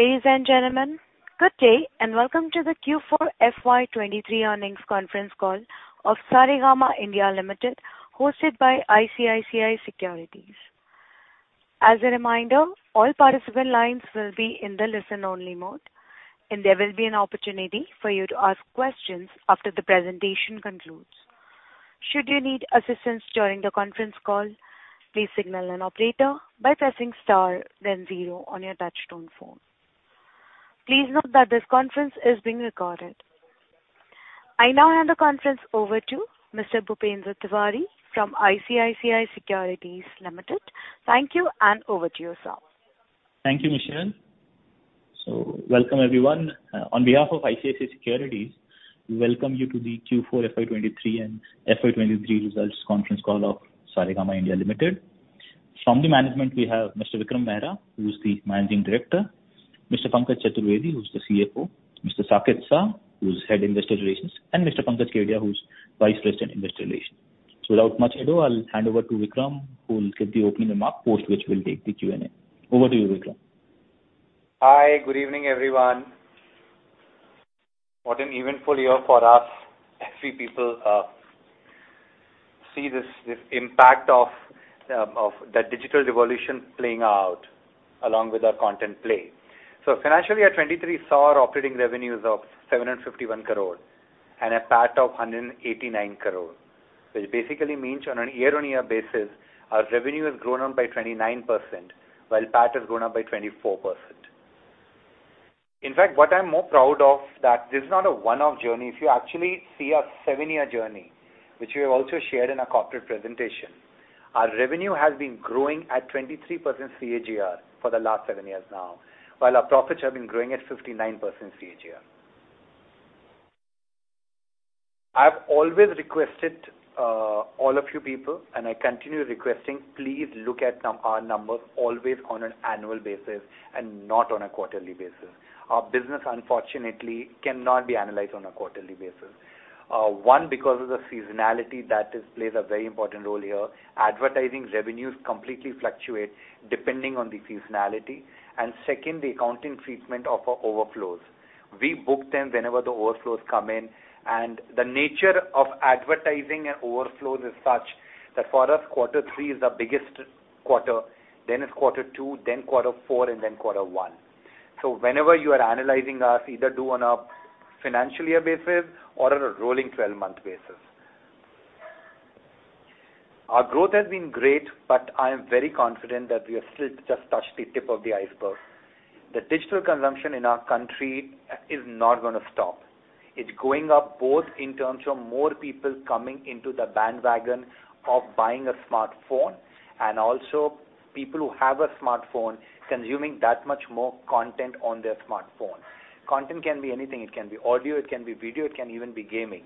Ladies and gentlemen, good day and welcome to the Q4 FY 2023 earnings conference call of Saregama India Limited, hosted by ICICI Securities. As a reminder, all participant lines will be in the listen-only mode, and there will be an opportunity for you to ask questions after the presentation concludes. Should you need assistance during the conference call, please signal an operator by pressing star then zero on your touch-tone phone. Please note that this conference is being recorded. I now hand the conference over to Mr. Bhupendra Tiwary from ICICI Securities Limited. Thank you, and over to you, sir. Thank you, Michelle. Welcome, everyone. On behalf of ICICI Securities, we welcome you to the Q4 FY 2023 and FY 2023 results conference call of Saregama India Limited. From the management we have Mr. Vikram Mehra, who's the Managing Director, Mr. Pankaj Chaturvedi, who's the CFO, Mr. Saket Shah, who's Head [Investor] Relations, and Mr. Pankaj Kedia, who's Vice President Investor] Relations. Without much ado, I'll hand over to Vikram, who will give the opening remark, post which we'll take the Q&A. Over to you, Vikram. Hi. Good evening, everyone. What an eventful year for us. We people see this impact of the digital revolution playing out along with our content play. Financially at 2023 saw our operating revenues of 751 crore and a PAT of 189 crore, which basically means on a year-on-year basis, our revenue has grown up by 29%, while PAT has grown up by 24%. In fact, what I'm more proud of that this is not a one-off journey. If you actually see our seven-year journey, which we have also shared in our corporate presentation, our revenue has been growing at 23% CAGR for the last seven years now, while our profits have been growing at 59% CAGR. I've always requested, all of you people, and I continue requesting, please look at our numbers always on an annual basis and not on a quarterly basis. Our business, unfortunately, cannot be analyzed on a quarterly basis. One, because of the seasonality plays a very important role here. Advertising revenues completely fluctuate depending on the seasonality. Second, the accounting treatment of our overflows. We book them whenever the overflows come in, and the nature of advertising and overflows is such that for us, quarter three is the biggest quarter, then it's quarter two, then quarter four, and then quarter one. Whenever you are analyzing us, either do on a financial year basis or on a rolling 12-month basis. Our growth has been great, but I am very confident that we have still just touched the tip of the iceberg. The digital consumption in our country, is not gonna stop. It's going up both in terms of more people coming into the bandwagon of buying a smartphone, and also people who have a smartphone consuming that much more content on their smartphone. Content can be anything. It can be audio, it can be video, it can even be gaming.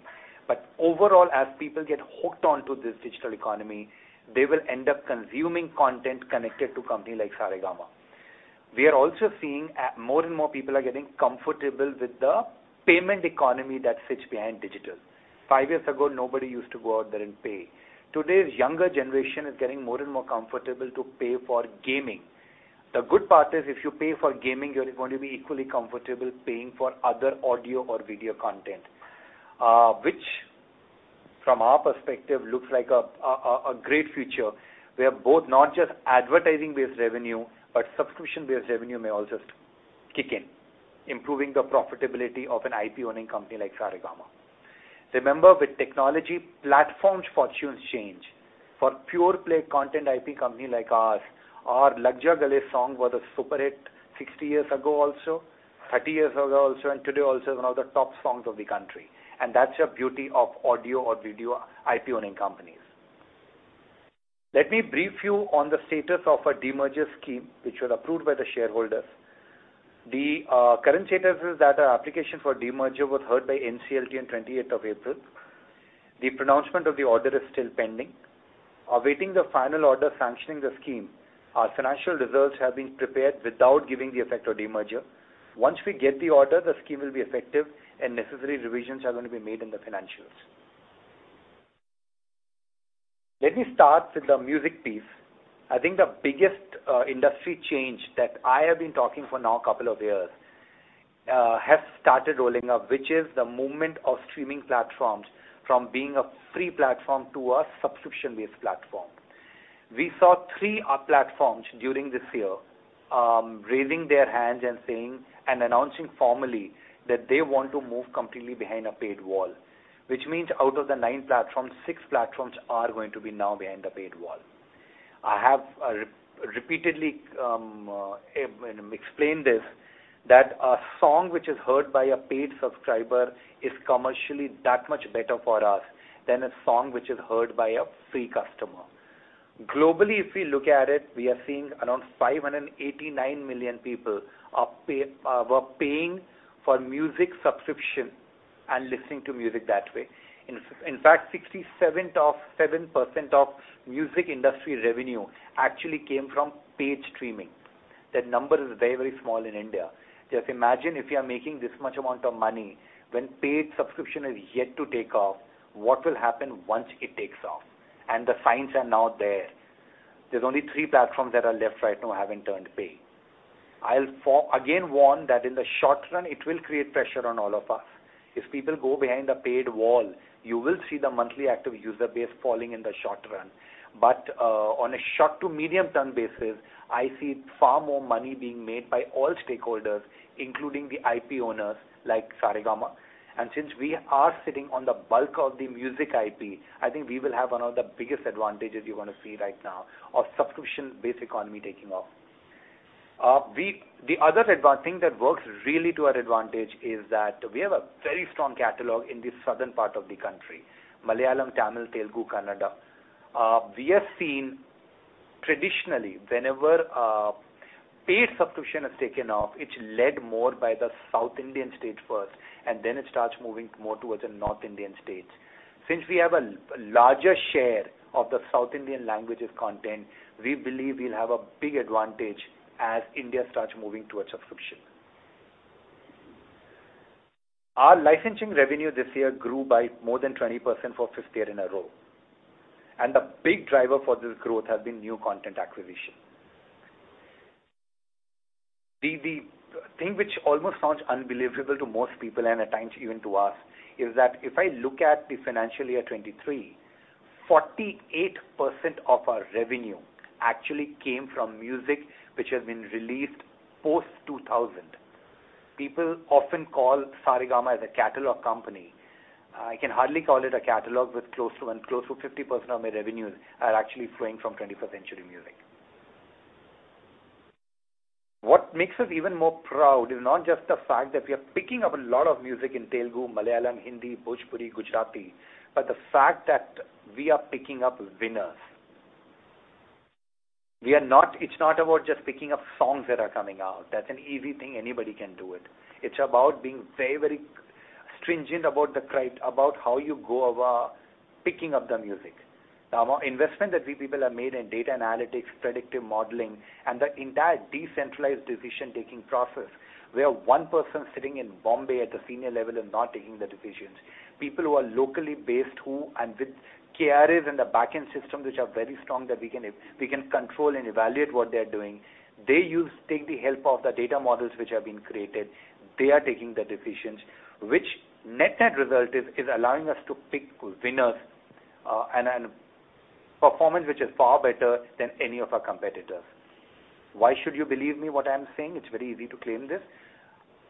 Overall, as people get hooked onto this digital economy, they will end up consuming content connected to company like Saregama. We are also seeing, more and more people are getting comfortable with the payment economy that sits behind digital. Five years ago, nobody used to go out there and pay. Today's younger generation is getting more and more comfortable to pay for gaming. The good part is if you pay for gaming, you're going to be equally comfortable paying for other audio or video content, which from our perspective looks like a great future, where both not just advertising-based revenue, but subscription-based revenue may also kick in, improving the profitability of an IP-owning company like Saregama. Remember, with technology, platforms' fortunes change. For pure play content IP company like ours, our Lag Ja Gale song was a super hit 60 years ago also, 30 years ago also, today also is one of the top songs of the country. That's the beauty of audio or video IP-owning companies. Let me brief you on the status of our demerger scheme, which was approved by the shareholders. The current status is that our application for demerger was heard by NCLT on 28th of April. The pronouncement of the order is still pending. Awaiting the final order sanctioning the scheme, our financial reserves have been prepared without giving the effect of demerger. Once we get the order, the scheme will be effective, and necessary revisions are gonna be made in the financials. Let me start with the music piece. I think the biggest industry change that I have been talking for now a couple of years has started rolling out, which is the movement of streaming platforms from being a free platform to a subscription-based platform. We saw three platforms during this year raising their hands and saying and announcing formally that they want to move completely behind a paid wall, which means out of the nine platforms, six platforms are going to be now behind a paid wall. I have repeatedly explained this, that a song which is heard by a paid subscriber is commercially that much better for us than a song which is heard by a free customer. Globally, if we look at it, we are seeing around 589 million people were paying for music subscription and listening to music that way. In fact, 67.7% of music industry revenue actually came from paid streaming. That number is very, very small in India. Just imagine if you are making this much amount of money when paid subscription is yet to take off, what will happen once it takes off? The signs are now there. There's only three platforms that are left right now haven't turned paid. I'll again warn that in the short run, it will create pressure on all of us. If people go behind the paid wall, you will see the monthly active user base falling in the short run. On a short to medium-term basis, I see far more money being made by all stakeholders, including the IP owners like Saregama. Since we are sitting on the bulk of the music IP, I think we will have one of the biggest advantages you're gonna see right now of subscription-based economy taking off. The other thing that works really to our advantage is that we have a very strong catalog in the southern part of the country, Malayalam, Tamil, Telugu, Kannada. We have seen traditionally, whenever paid subscription has taken off, it's led more by the South Indian state first, and then it starts moving more towards the North Indian states. Since we have a larger share of the South Indian languages content, we believe we'll have a big advantage as India starts moving towards subscription. Our licensing revenue this year grew by more than 20% for fifth year in a row. The big driver for this growth have been new content acquisition. The thing which almost sounds unbelievable to most people and at times even to us, is that if I look at the financial year 2023, 48% of our revenue actually came from music, which has been released post-2000. People often call Saregama as a catalog company. I can hardly call it a catalog with close to 50% of my revenues are actually flowing from 21st century music. What makes us even more proud is not just the fact that we are picking up a lot of music in Telugu, Malayalam, Hindi, Bhojpuri, Gujarati, but the fact that we are picking up winners. It's not about just picking up songs that are coming out. That's an easy thing, anybody can do it. It's about being very, very stringent about how you go about picking up the music. Now, investment that we people have made in data analytics, predictive modeling, and the entire decentralized decision-making process, where one person sitting in Bombay at the senior level is not taking the decisions. People who are locally based with KRs and the back-end systems, which are very strong, that we can control and evaluate what they're doing. Take the help of the data models which have been created. They are taking the decisions, which net-net result is allowing us to pick winners, and performance which is far better than any of our competitors. Why should you believe me what I'm saying? It's very easy to claim this.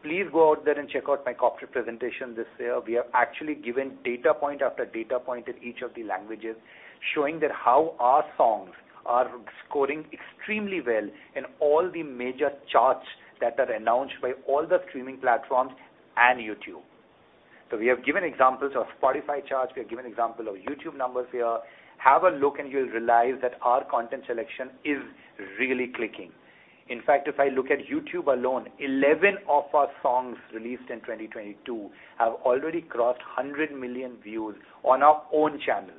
Please go out there and check out my corporate presentation this year. We have actually given data point after data point in each of the languages, showing that how our songs are scoring extremely well in all the major charts that are announced by all the streaming platforms and YouTube. We have given examples of Spotify charts, we have given example of YouTube numbers here. Have a look, and you'll realize that our content selection is really clicking. If I look at YouTube alone, 11 of our songs released in 2022 have already crossed 100 million views on our own channels.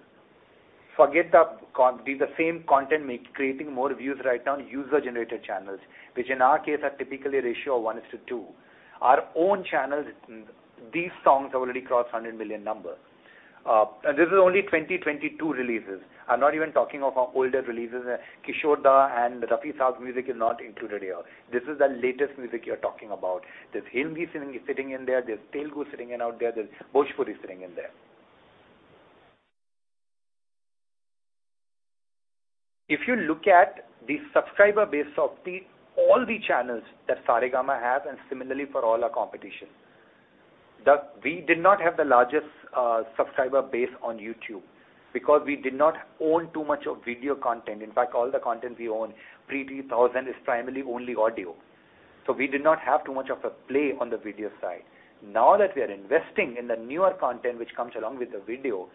Forget the same content creating more views right now on user-generated channels, which in our case are typically a ratio of one is to two. Our own channels, these songs have already crossed 100 million number. This is only 2022 releases. I'm not even talking of our older releases. Kishore Da and Rafi Saab's music is not included here. This is the latest music you're talking about. There's Hindi sitting in there's Telugu sitting in out there's Bhojpuri sitting in there. If you look at the subscriber base of the all the channels that Saregama have, and similarly for all our competition, we did not have the largest subscriber base on YouTube because we did not own too much of video content. In fact, all the content we own pre-2000 is primarily only audio. We did not have too much of a play on the video side. Now that we are investing in the newer content which comes along with the video,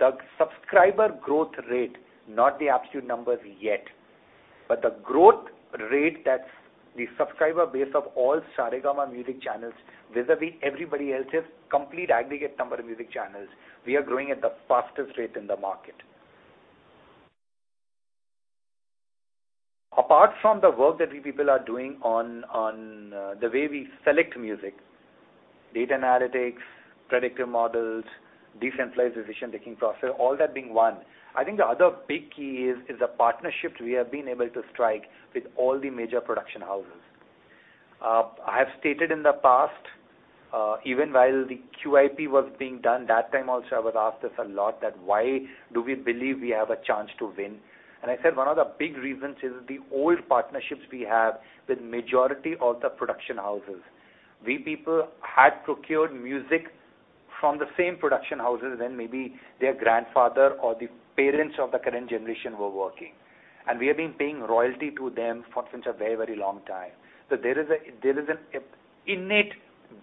the subscriber growth rate, not the absolute numbers yet, but the growth rate that the subscriber base of all Saregama music channels vis-à-vis everybody else's complete aggregate number of music channels, we are growing at the fastest rate in the market. Apart from the work that we people are doing on the way we select music, data analytics, predictive models, decentralized decision-making process, all that being one, I think the other big key is the partnerships we have been able to strike with all the major production houses. I have stated in the past, even while the QIP was being done, that time also I was asked this a lot, that why do we believe we have a chance to win? I said one of the big reasons is the old partnerships we have with majority of the production houses. We people had procured music from the same production houses when maybe their grandfather or the parents of the current generation were working. We have been paying royalty to them for since a very long time. There is an innate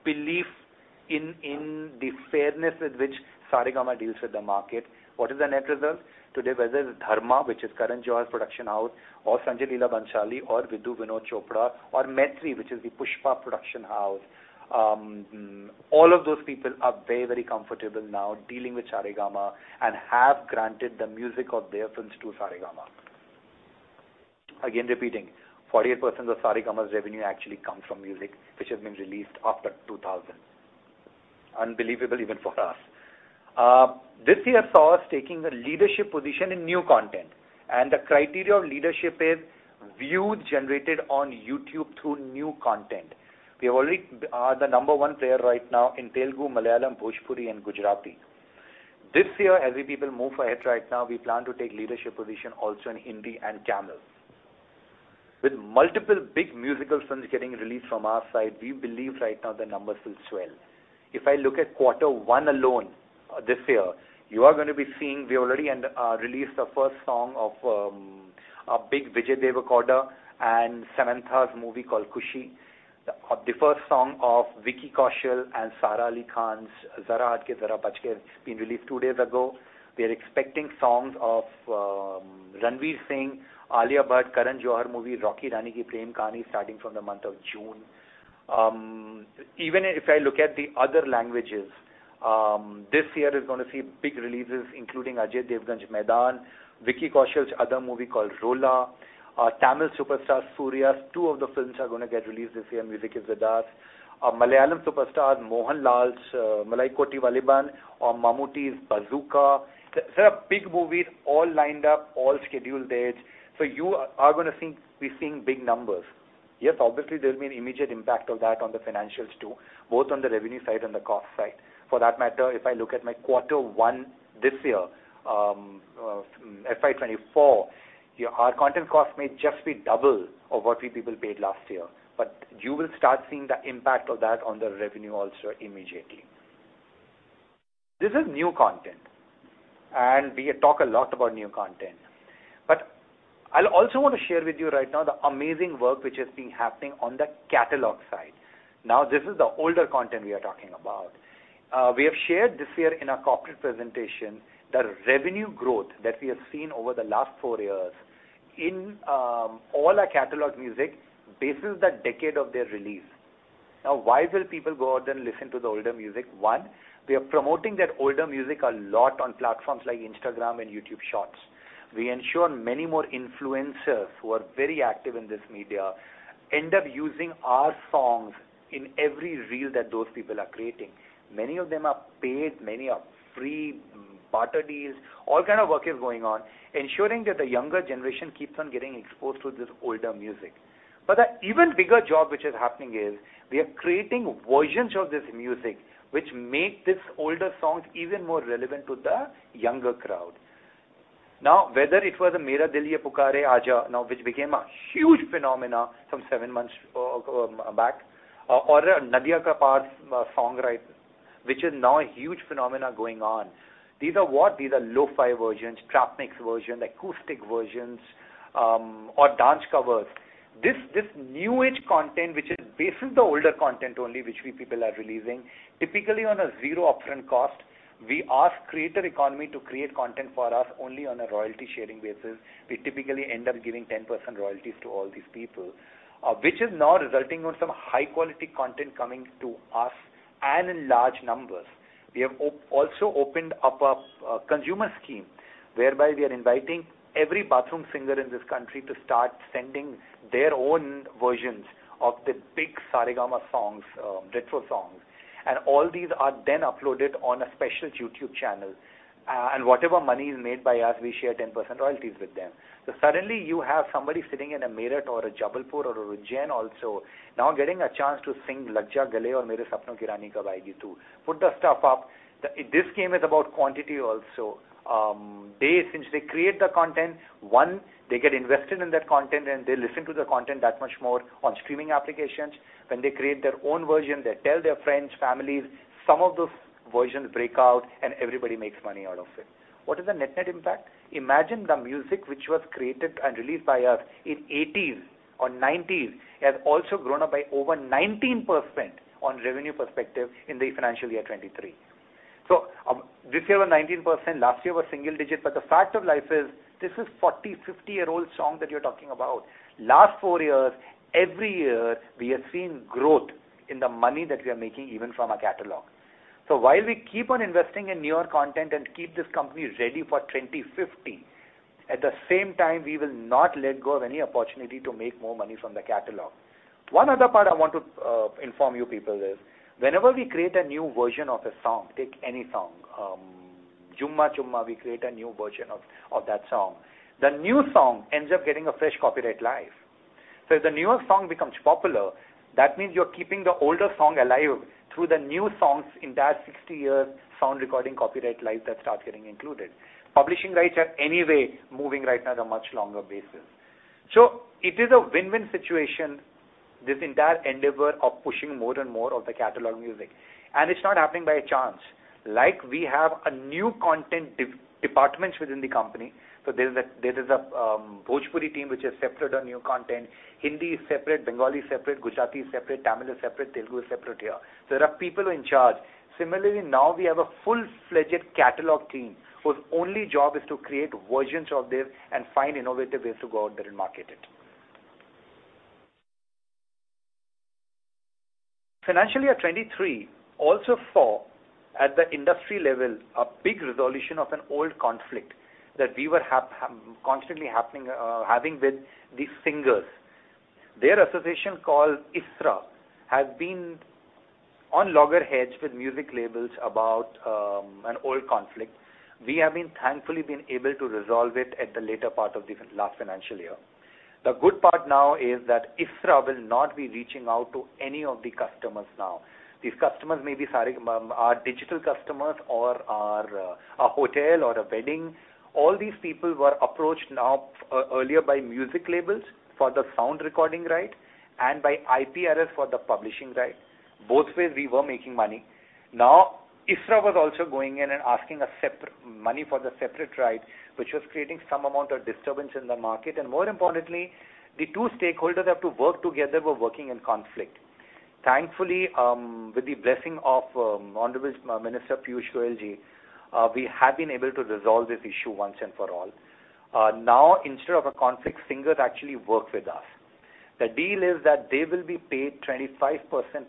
belief in the fairness with which Saregama deals with the market. What is the net result? Today, whether it's Dharma, which is Karan Johar's production house, or Sanjay Leela Bhansali, or Vidhu Vinod Chopra, or Mythri, which is the Pushpa production house, all of those people are very, very comfortable now dealing with Saregama and have granted the music of their films to Saregama. Again, repeating, 48% of Saregama's revenue actually comes from music which has been released after 2000. Unbelievable even for us. This year saw us taking the leadership position in new content, and the criteria of leadership is views generated on YouTube through new content. We already are the number one player right now in Telugu, Malayalam, Bhojpuri, and Gujarati. This year, as we people move ahead right now, we plan to take leadership position also in Hindi and Tamil. With multiple big musical films getting released from our side, we believe right now the numbers will swell. If I look at quarter one alone this year, you are gonna be seeing we already released the first song of a big Vijay Deverakonda and Samantha's movie called Kushi. The first song of Vicky Kaushal and Sara Ali Khan's Zara Hatke Zara Bachke, it's been released two days ago. We are expecting songs of Ranveer Singh, Alia Bhatt, Karan Johar movie, Rocky Aur Rani Kii Prem Kahaani, starting from the month of June. Even if I look at the other languages, this year is gonna see big releases, including Ajay Devgn's Maidaan, Vicky Kaushal's other movie called Rola, Tamil superstar Suriya's two of the films are gonna get released this year, music is with us. A Malayalam superstar, Mohanlal's Malaikottai Vaaliban, or Mammootty's Bazooka. There are big movies all lined up, all scheduled dates, so you are gonna be seeing big numbers. Yes, obviously, there'll be an immediate impact of that on the financials too, both on the revenue side and the cost side. For that matter, if I look at my quarter one this year, FY 2024, our content cost may just be double of what we people paid last year, but you will start seeing the impact of that on the revenue also immediately. This is new content, and we talk a lot about new content. I'll also want to share with you right now the amazing work which has been happening on the catalog side. This is the older content we are talking about. We have shared this year in our corporate presentation the revenue growth that we have seen over the last four years in all our catalog music bases the decade of their release. Why will people go out and listen to the older music? One, we are promoting that older music a lot on platforms like Instagram and YouTube Shorts. We ensure many more influencers who are very active in this media end up using our songs in every reel that those people are creating. Many of them are paid, many are free barter deals. All kind of work is going on, ensuring that the younger generation keeps on getting exposed to this older music. The even bigger job which is happening is we are creating versions of this music which make these older songs even more relevant to the younger crowd. Now, whether it was a Mera Dil Yeh Pukare Aaja now, which became a huge phenomena some seven months ago, back, or a Nadiya Ke Paar song, right, which is now a huge phenomena going on. These are what? These are lo-fi versions, trap mix version, acoustic versions, or dance covers. This new-age content, which is basing the older content only, which we people are releasing, typically on a zero upfront cost. We ask creator economy to create content for us only on a royalty sharing basis. We typically end up giving 10% royalties to all these people, which is now resulting on some high quality content coming to us and in large numbers. We have also opened up a consumer scheme whereby we are inviting every bathroom singer in this country to start sending their own versions of the big Saregama songs, retro songs, and all these are then uploaded on a special YouTube channel. Whatever money is made by us, we share 10% royalties with them. Suddenly you have somebody sitting in a Meerut or a Jabalpur or a Ujjain also now getting a chance to sing Lag Ja Gale or Mere Sapno Ki Rani Kab Aayegi Tu. Put the stuff up. This game is about quantity also. Since they create the content, one, they get invested in that content, and they listen to the content that much more on streaming applications. When they create their own version, they tell their friends, families. Some of those versions break out. Everybody makes money out of it. What is the net-net impact? Imagine the music which was created and released by us in 80s or 90s has also grown up by over 19% on revenue perspective in the financial year 2023. This year was 19%, last year was single digit. The fact of life is this is 40, 50-year-old song that you're talking about. Last four years, every year, we have seen growth in the money that we are making even from our catalog. While we keep on investing in newer content and keep this company ready for 2050, at the same time, we will not let go of any opportunity to make more money from the catalog. One other part I want to inform you people is whenever we create a new version of a song, take any song, Jumma Chumma, we create a new version of that song. The new song ends up getting a fresh copyright life. If the newer song becomes popular, that means you're keeping the older song alive through the new songs in that 60-year sound recording copyright life that starts getting included. Publishing rights are anyway moving right now at a much longer basis. It is a win-win situation, this entire endeavor of pushing more and more of the catalog music. It's not happening by chance. Like we have a new content departments within the company. There is a Bhojpuri team which is separate on new content. Hindi is separate, Bengali is separate, Gujarati is separate, Tamil is separate, Telugu is separate here. There are people in charge. Now we have a full-fledged catalog team whose only job is to create versions of this and find innovative ways to go out there and market it. Financial year 2023 also saw, at the industry level, a big resolution of an old conflict that we were constantly having with these singers. Their association called ISRA has been on loggerheads with music labels about an old conflict. We have thankfully been able to resolve it at the later part of the last financial year. The good part now is that ISRA will not be reaching out to any of the customers now. These customers may be our digital customers or our a hotel or a wedding. All these people were approached now earlier by music labels for the sound recording right and by IPRS for the publishing right. Both ways we were making money. ISRA was also going in and asking a money for the separate right, which was creating some amount of disturbance in the market, and more importantly, the two stakeholders have to work together were working in conflict. Thankfully, with the blessing of, Honorable Minister Piyush Goyal Ji, we have been able to resolve this issue once and for all. Now instead of a conflict, singers actually work with us. The deal is that they will be paid 25%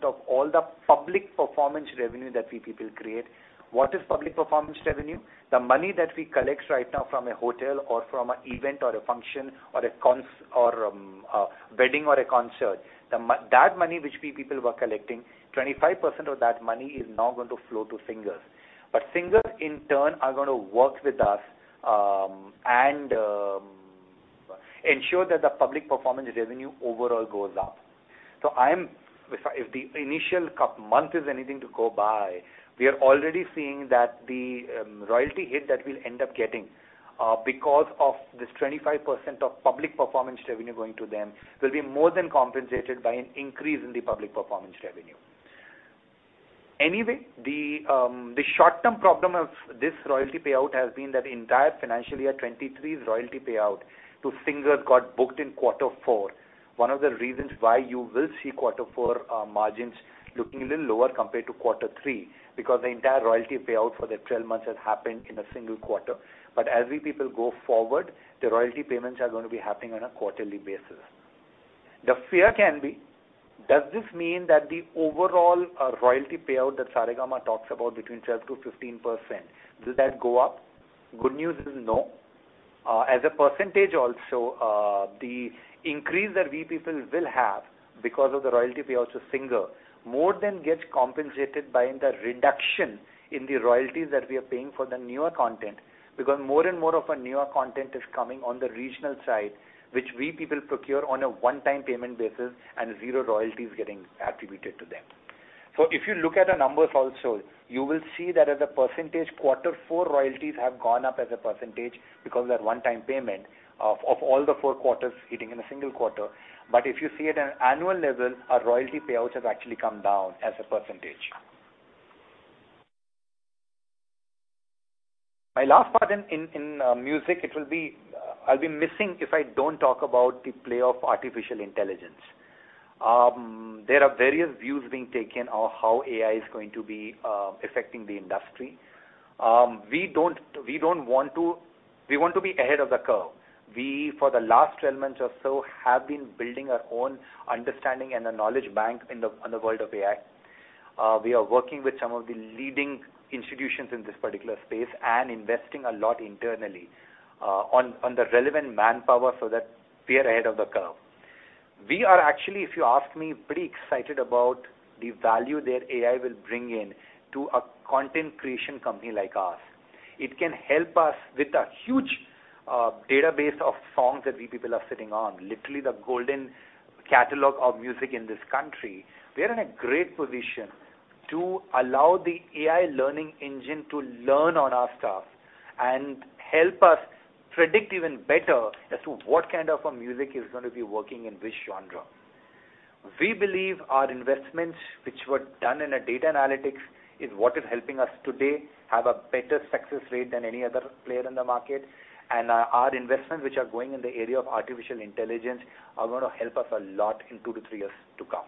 of all the public performance revenue that we people create. What is public performance revenue? The money that we collect right now from a hotel or from an event or a function or a wedding or a concert. That money which we people were collecting, 25% of that money is now going to flow to singers. Singers in turn are gonna work with us and ensure that the public performance revenue overall goes up. If the initial month is anything to go by, we are already seeing that the royalty hit that we'll end up getting because of this 25% of public performance revenue going to them, will be more than compensated by an increase in the public performance revenue. The short-term problem of this royalty payout has been that the entire financial year 2023's royalty payout to singers got booked in quarter four. One of the reasons why you will see quarter four margins looking a little lower compared to quarter three, because the entire royalty payout for the 12 months has happened in a single quarter. As we people go forward, the royalty payments are gonna be happening on a quarterly basis. The fear can be, does this mean that the overall royalty payout that Saregama talks about between 12%-15%, will that go up? Good news is no. As a percentage also, the increase that we people will have because of the royalty payouts to singer more than gets compensated by the reduction in the royalties that we are paying for the newer content, because more and more of our newer content is coming on the regional side, which we people procure on a one-time payment basis and zero royalties getting attributed to them. If you look at the numbers also, you will see that as a percentage, Q4 royalties have gone up as a percentage because of that one-time payment of all the four quarters hitting in a single quarter. If you see at an annual level, our royalty payouts have actually come down as a percentage. My last part in music, I'll be missing if I don't talk about the play of artificial intelligence. There are various views being taken on how AI is going to be affecting the industry. We want to be ahead of the curve. We, for the last 12 months or so, have been building our own understanding and a knowledge bank on the world of AI. We are working with some of the leading institutions in this particular space and investing a lot internally on the relevant manpower so that we are ahead of the curve. We are actually, if you ask me, pretty excited about the value that AI will bring in to a content creation company like us. It can help us with a huge database of songs that we people are sitting on, literally the golden catalog of music in this country. We are in a great position to allow the AI learning engine to learn on our stuff and help us predict even better as to what kind of a music is gonna be working in which genre. We believe our investments, which were done in a data analytics, is what is helping us today have a better success rate than any other player in the market. Our investments which are going in the area of artificial intelligence are gonna help us a lot in two to three years to come.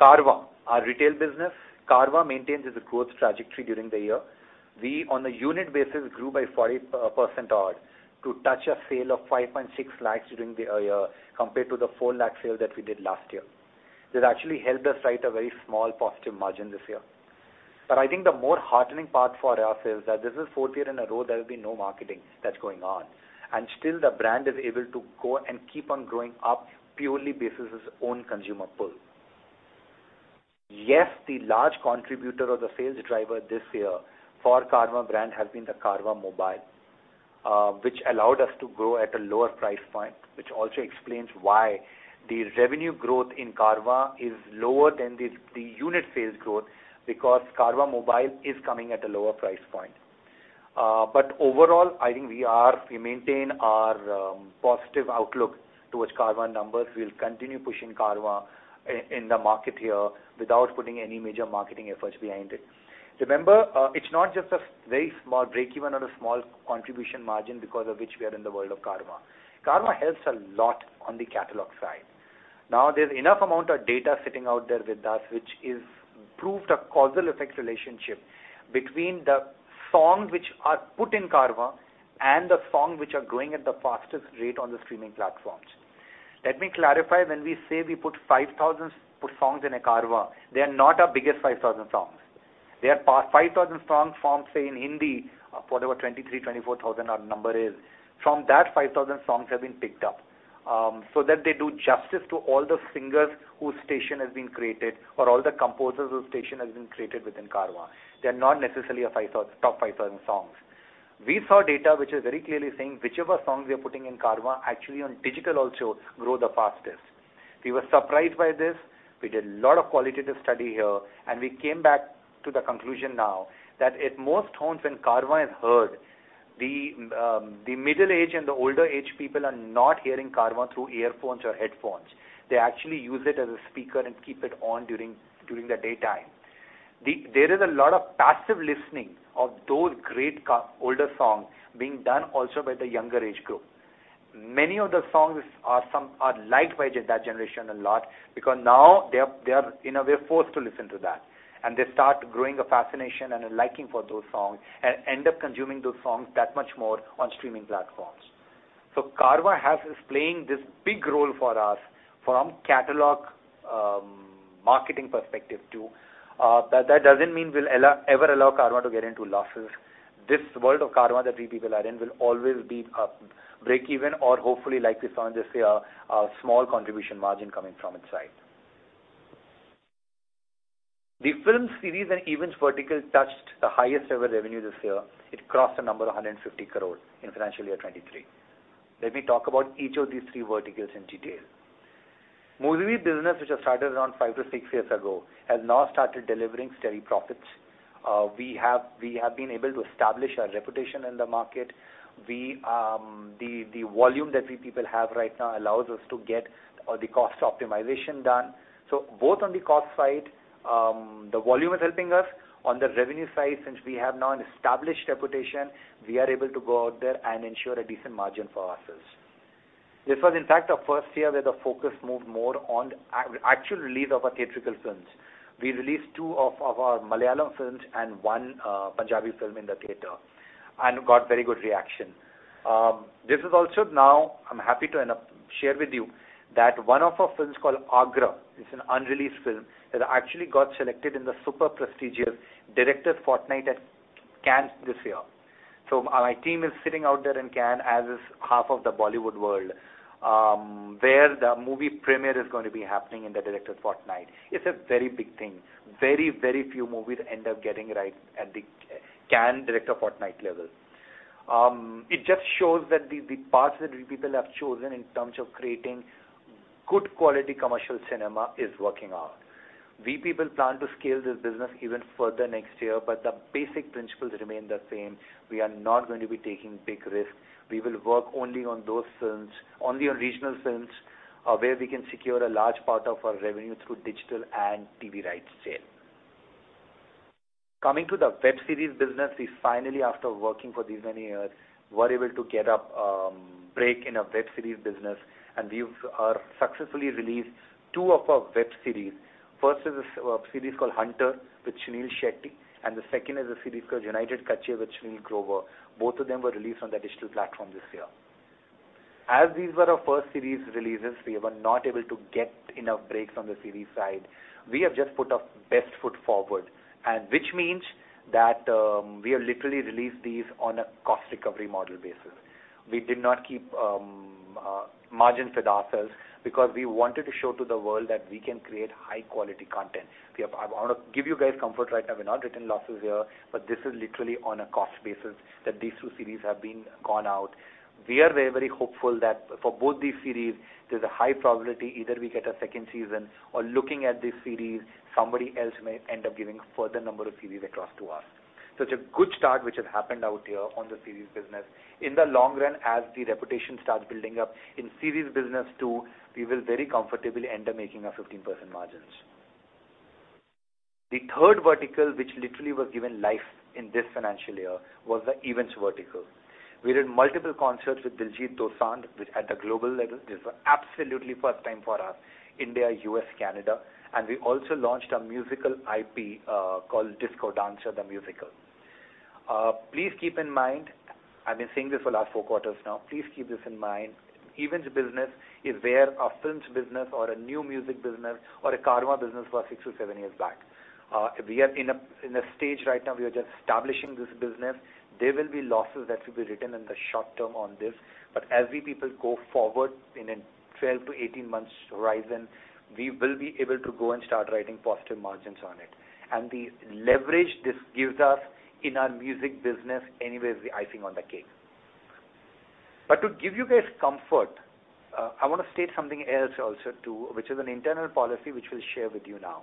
Carvaan, our retail business. Carvaan maintains its growth trajectory during the year. We, on a unit basis, grew by 40% odd to touch a sale of 5.6 lakhs during the year, compared to the 4 lakh sale that we did last year. This actually helped us write a very small positive margin this year. I think the more heartening part for us is that this is fourth year in a row there will be no marketing that's going on, and still the brand is able to go and keep on growing up purely basis its own consumer pull. Yes, the large contributor or the sales driver this year for Carvaan brand has been the Carvaan Mobile, which allowed us to grow at a lower price point, which also explains why the revenue growth in Carvaan is lower than the unit sales growth because Carvaan Mobile is coming at a lower price point. Overall, I think we maintain our positive outlook towards Carvaan numbers. We'll continue pushing Carvaan in the market here without putting any major marketing efforts behind it. Remember, it's not just a very small breakeven or a small contribution margin because of which we are in the world of Carvaan. Carvaan helps a lot on the catalog side. Now, there's enough amount of data sitting out there with us, which is proved a causal effect relationship between the songs which are put in Carvaan and the songs which are growing at the fastest rate on the streaming platforms. Let me clarify when we say we put 5,000 put songs in a Carvaan, they are not our biggest 5,000 songs. They are 5,000 songs from, say, in Hindi, whatever 23,000-24,000 our number is. From that, 5,000 songs have been picked up so that they do justice to all the singers whose station has been created or all the composers whose station has been created within Carvaan. They're not necessarily a top 5,000 songs. We saw data which is very clearly saying whichever songs we are putting in Carvaan actually on digital also grow the fastest. We were surprised by this. We did a lot of qualitative study here. We came back to the conclusion now that at most homes when Carvaan is heard, the middle age and the older age people are not hearing Carvaan through earphones or headphones. They actually use it as a speaker and keep it on during the daytime. There is a lot of passive listening of those great older songs being done also by the younger age group. Many of the songs are some, are liked by that generation a lot because now they're in a way forced to listen to that, and they start growing a fascination and a liking for those songs and end up consuming those songs that much more on streaming platforms. Carvaan is playing this big role for us from catalog marketing perspective too. That, that doesn't mean we'll allow, ever allow Carvaan to get into losses. This world of Carvaan that we people are in will always be a breakeven or hopefully like this on this year, a small contribution margin coming from its side. The film series and events vertical touched the highest ever revenue this year. It crossed a number of 150 crores in financial year 23. Let me talk about each of these three verticals in detail. Movie business, which has started around five to six years ago, has now started delivering steady profits. We have been able to establish our reputation in the market. We the volume that we people have right now allows us to get the cost optimization done. Both on the cost side, the volume is helping us. On the revenue side, since we have now an established reputation, we are able to go out there and ensure a decent margin for ourselves. This was in fact our first year where the focus moved more on actual release of our theatrical films. We released two of our Malayalam films and one Punjabi film in the theater and got very good reaction. This is also now, I'm happy to share with you that one of our films called Agra, it's an unreleased film, that actually got selected in the super prestigious Directors' Fortnight at Cannes this year. My team is sitting out there in Cannes, as is half of the Bollywood world, where the movie premiere is going to be happening in the Directors' Fortnight. It's a very big thing. Very, very few movies end up getting at the Cannes Directors' Fortnight level. It just shows that the paths that we people have chosen in terms of creating good quality commercial cinema is working out. We people plan to scale this business even further next year, but the basic principles remain the same. We are not going to be taking big risks. We will work only on those films, only on regional films, where we can secure a large part of our revenue through digital and TV rights sale. Coming to the web series business, we finally, after working for these many years, were able to get a break in a web series business, and we've successfully released two of our web series. First is a series called Hunter with Suniel Shetty, and the second is a series called United Kacche with Sunil Grover. Both of them were released on the digital platform this year. As these were our first series releases, we were not able to get enough breaks on the series side. We have just put our best foot forward and which means that, we have literally released these on a cost recovery model basis. We did not keep margins with ourselves because we wanted to show to the world that we can create high-quality content. I want to give you guys comfort right now. We've not written losses here, but this is literally on a cost basis that these two series have been gone out. We are very, very hopeful that for both these series, there's a high probability either we get a second season or looking at these series, somebody else may end up giving further number of series across to us. It's a good start which has happened out here on the series business. In the long run, as the reputation starts building up in series business too, we will very comfortably end up making our 15% margins. The third vertical, which literally was given life in this financial year, was the events vertical. We did multiple concerts with Diljit Dosanjh at the global level. This is absolutely first time for us, India, U.S., Canada. We also launched a musical IP called Disco Dancer – The Musical. Please keep in mind, I've been saying this for last four quarters now. Please keep this in mind. Events business is where our films business or a new music business or a Carvaan business was six to seven years back. We are in a stage right now, we are just establishing this business. There will be losses that will be written in the short term on this. As we people go forward in a 12-18 months horizon, we will be able to go and start writing positive margins on it. The leverage this gives us in our music business anyway is the icing on the cake. To give you guys comfort, I wanna state something else also too, which is an internal policy which we'll share with you now.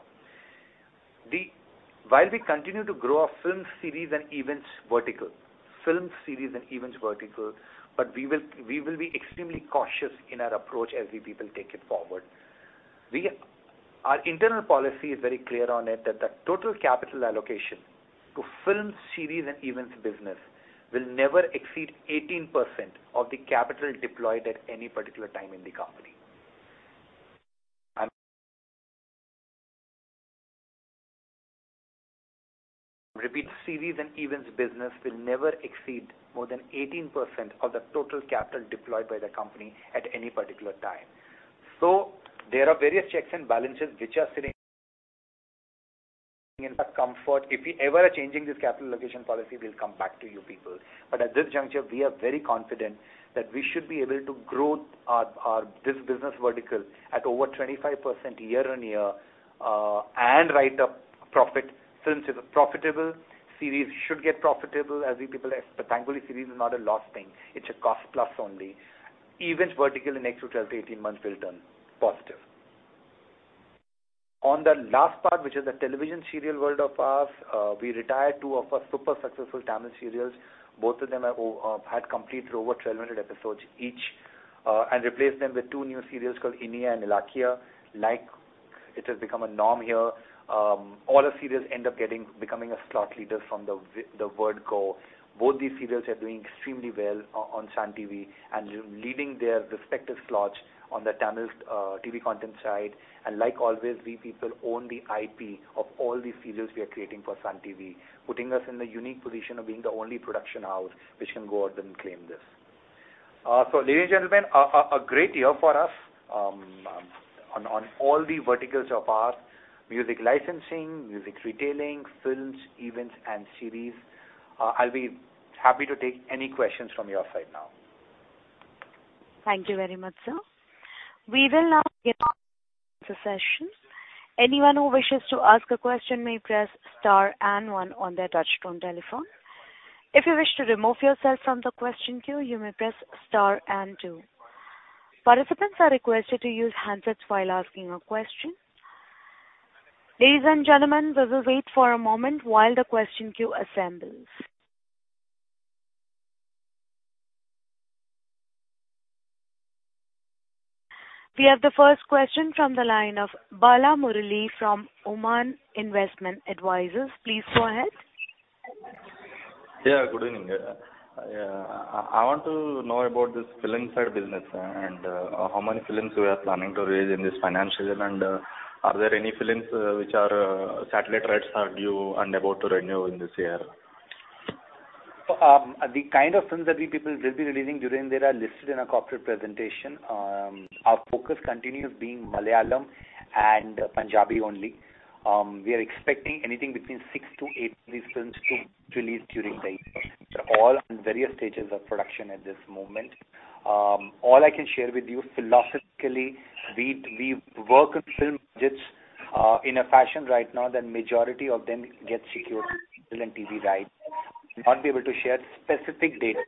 While we continue to grow our films, series and events vertical, we will be extremely cautious in our approach as we people take it forward. Our internal policy is very clear on it that the total capital allocation to films, series and events business will never exceed 18% of the capital deployed at any particular time in the company. Repeat, series and events business will never exceed more than 18% of the total capital deployed by the company at any particular time. There are various checks and balances which are sitting comfort. If we ever are changing this capital allocation policy, we'll come back to you people. At this juncture, we are very confident that we should be able to grow our this business vertical at over 25% year-on-year and write up profit. Films is profitable. Series should get profitable as we people thankfully, series is not a lost thing. It's a cost-plus only. Events vertical in next 12-18 months will turn positive. The last part, which is the television serial world of ours, we retired two of our super successful Tamil serials. Both of them had completed over 1,200 episodes each and replaced them with two new serials called Iniya and Ilakkiya. It has become a norm here, all our serials end up getting becoming a slot leader from the word go. Both these serials are doing extremely well on Sun TV and leading their respective slots on the Tamil TV content side. Like always, we people own the IP of all these serials we are creating for Sun TV, putting us in the unique position of being the only production house which can go out and claim this. Ladies and gentlemen, a great year for us on all the verticals of our music licensing, music retailing, films, events and series. I'll be happy to take any questions from your side now. Thank you very much, sir. We will now get the session. Anyone who wishes to ask a question may press star and one on their touch-tone telephone. If you wish to remove yourself from the question queue, you may press star and two. Participants are requested to use handsets while asking a question. Ladies and gentlemen, we will wait for a moment while the question queue assembles. We have the first question from the line of Bala Murali from Oman Investment Advisors. Please go ahead. Yeah, good evening. Yeah, I want to know about this film side business and how many films we are planning to release in this financial year, and are there any films which are satellite rights are due and about to renew in this year? The kind of films that we people will be releasing during the year are listed in our corporate presentation. Our focus continues being Malayalam and Punjabi only. We are expecting anything between 6-8 of these films to release during the year. They're all in various stages of production at this moment. All I can share with you philosophically, we work on film budgets in a fashion right now that majority of them get secured in film and TV rights. Not be able to share specific data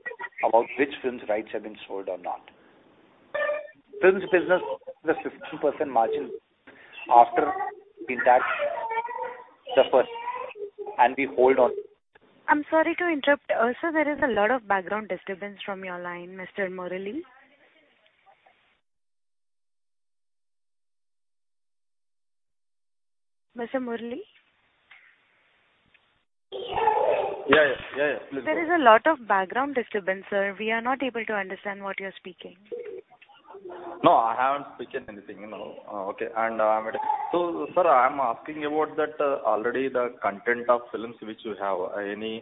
about which films rights have been sold or not. Films business is a 15% margin after the tax suffers and we hold on. I'm sorry to interrupt. sir, there is a lot of background disturbance from your line, Mr. Murali. Mr. Murali? Yeah, yeah. Yeah, yeah. Please go on. There is a lot of background disturbance, sir. We are not able to understand what you're speaking. No, I haven't spoken anything, no. Okay. Sir, I'm asking about that already the content of films which you have. Any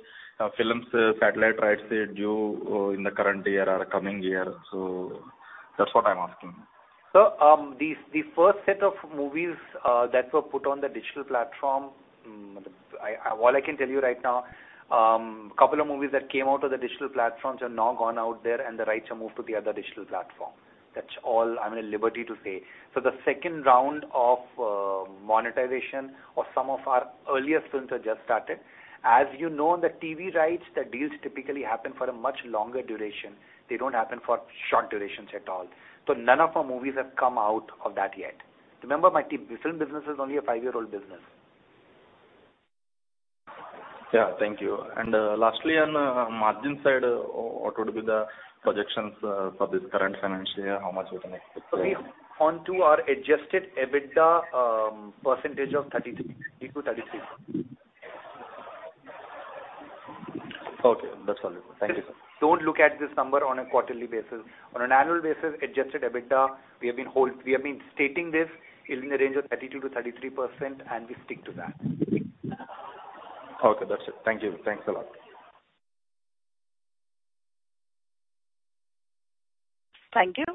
films satellite rights are due in the current year or coming year. That's what I'm asking. Sir, the first set of movies that were put on the digital platform, all I can tell you right now, couple of movies that came out of the digital platforms are now gone out there and the rights are moved to the other digital platform. That's all I'm at liberty to say. The second round of monetization of some of our earliest films have just started. As you know, the TV rights, the deals typically happen for a much longer duration. They don't happen for short durations at all. None of our movies have come out of that yet. Remember, the film business is only a five-year-old business. Yeah. Thank you. Lastly on margin side, what would be the projections for this current financial year? How much we can expect? We're on to our Adjusted EBITDA, percentage of 33%, 32%, 33%. Okay, that's all. Thank you, sir. Just don't look at this number on a quarterly basis. On an annual basis, Adjusted EBITDA, We have been stating this is in the range of 32%-33%. We stick to that. Okay, that's it. Thank you. Thanks a lot. Thank you.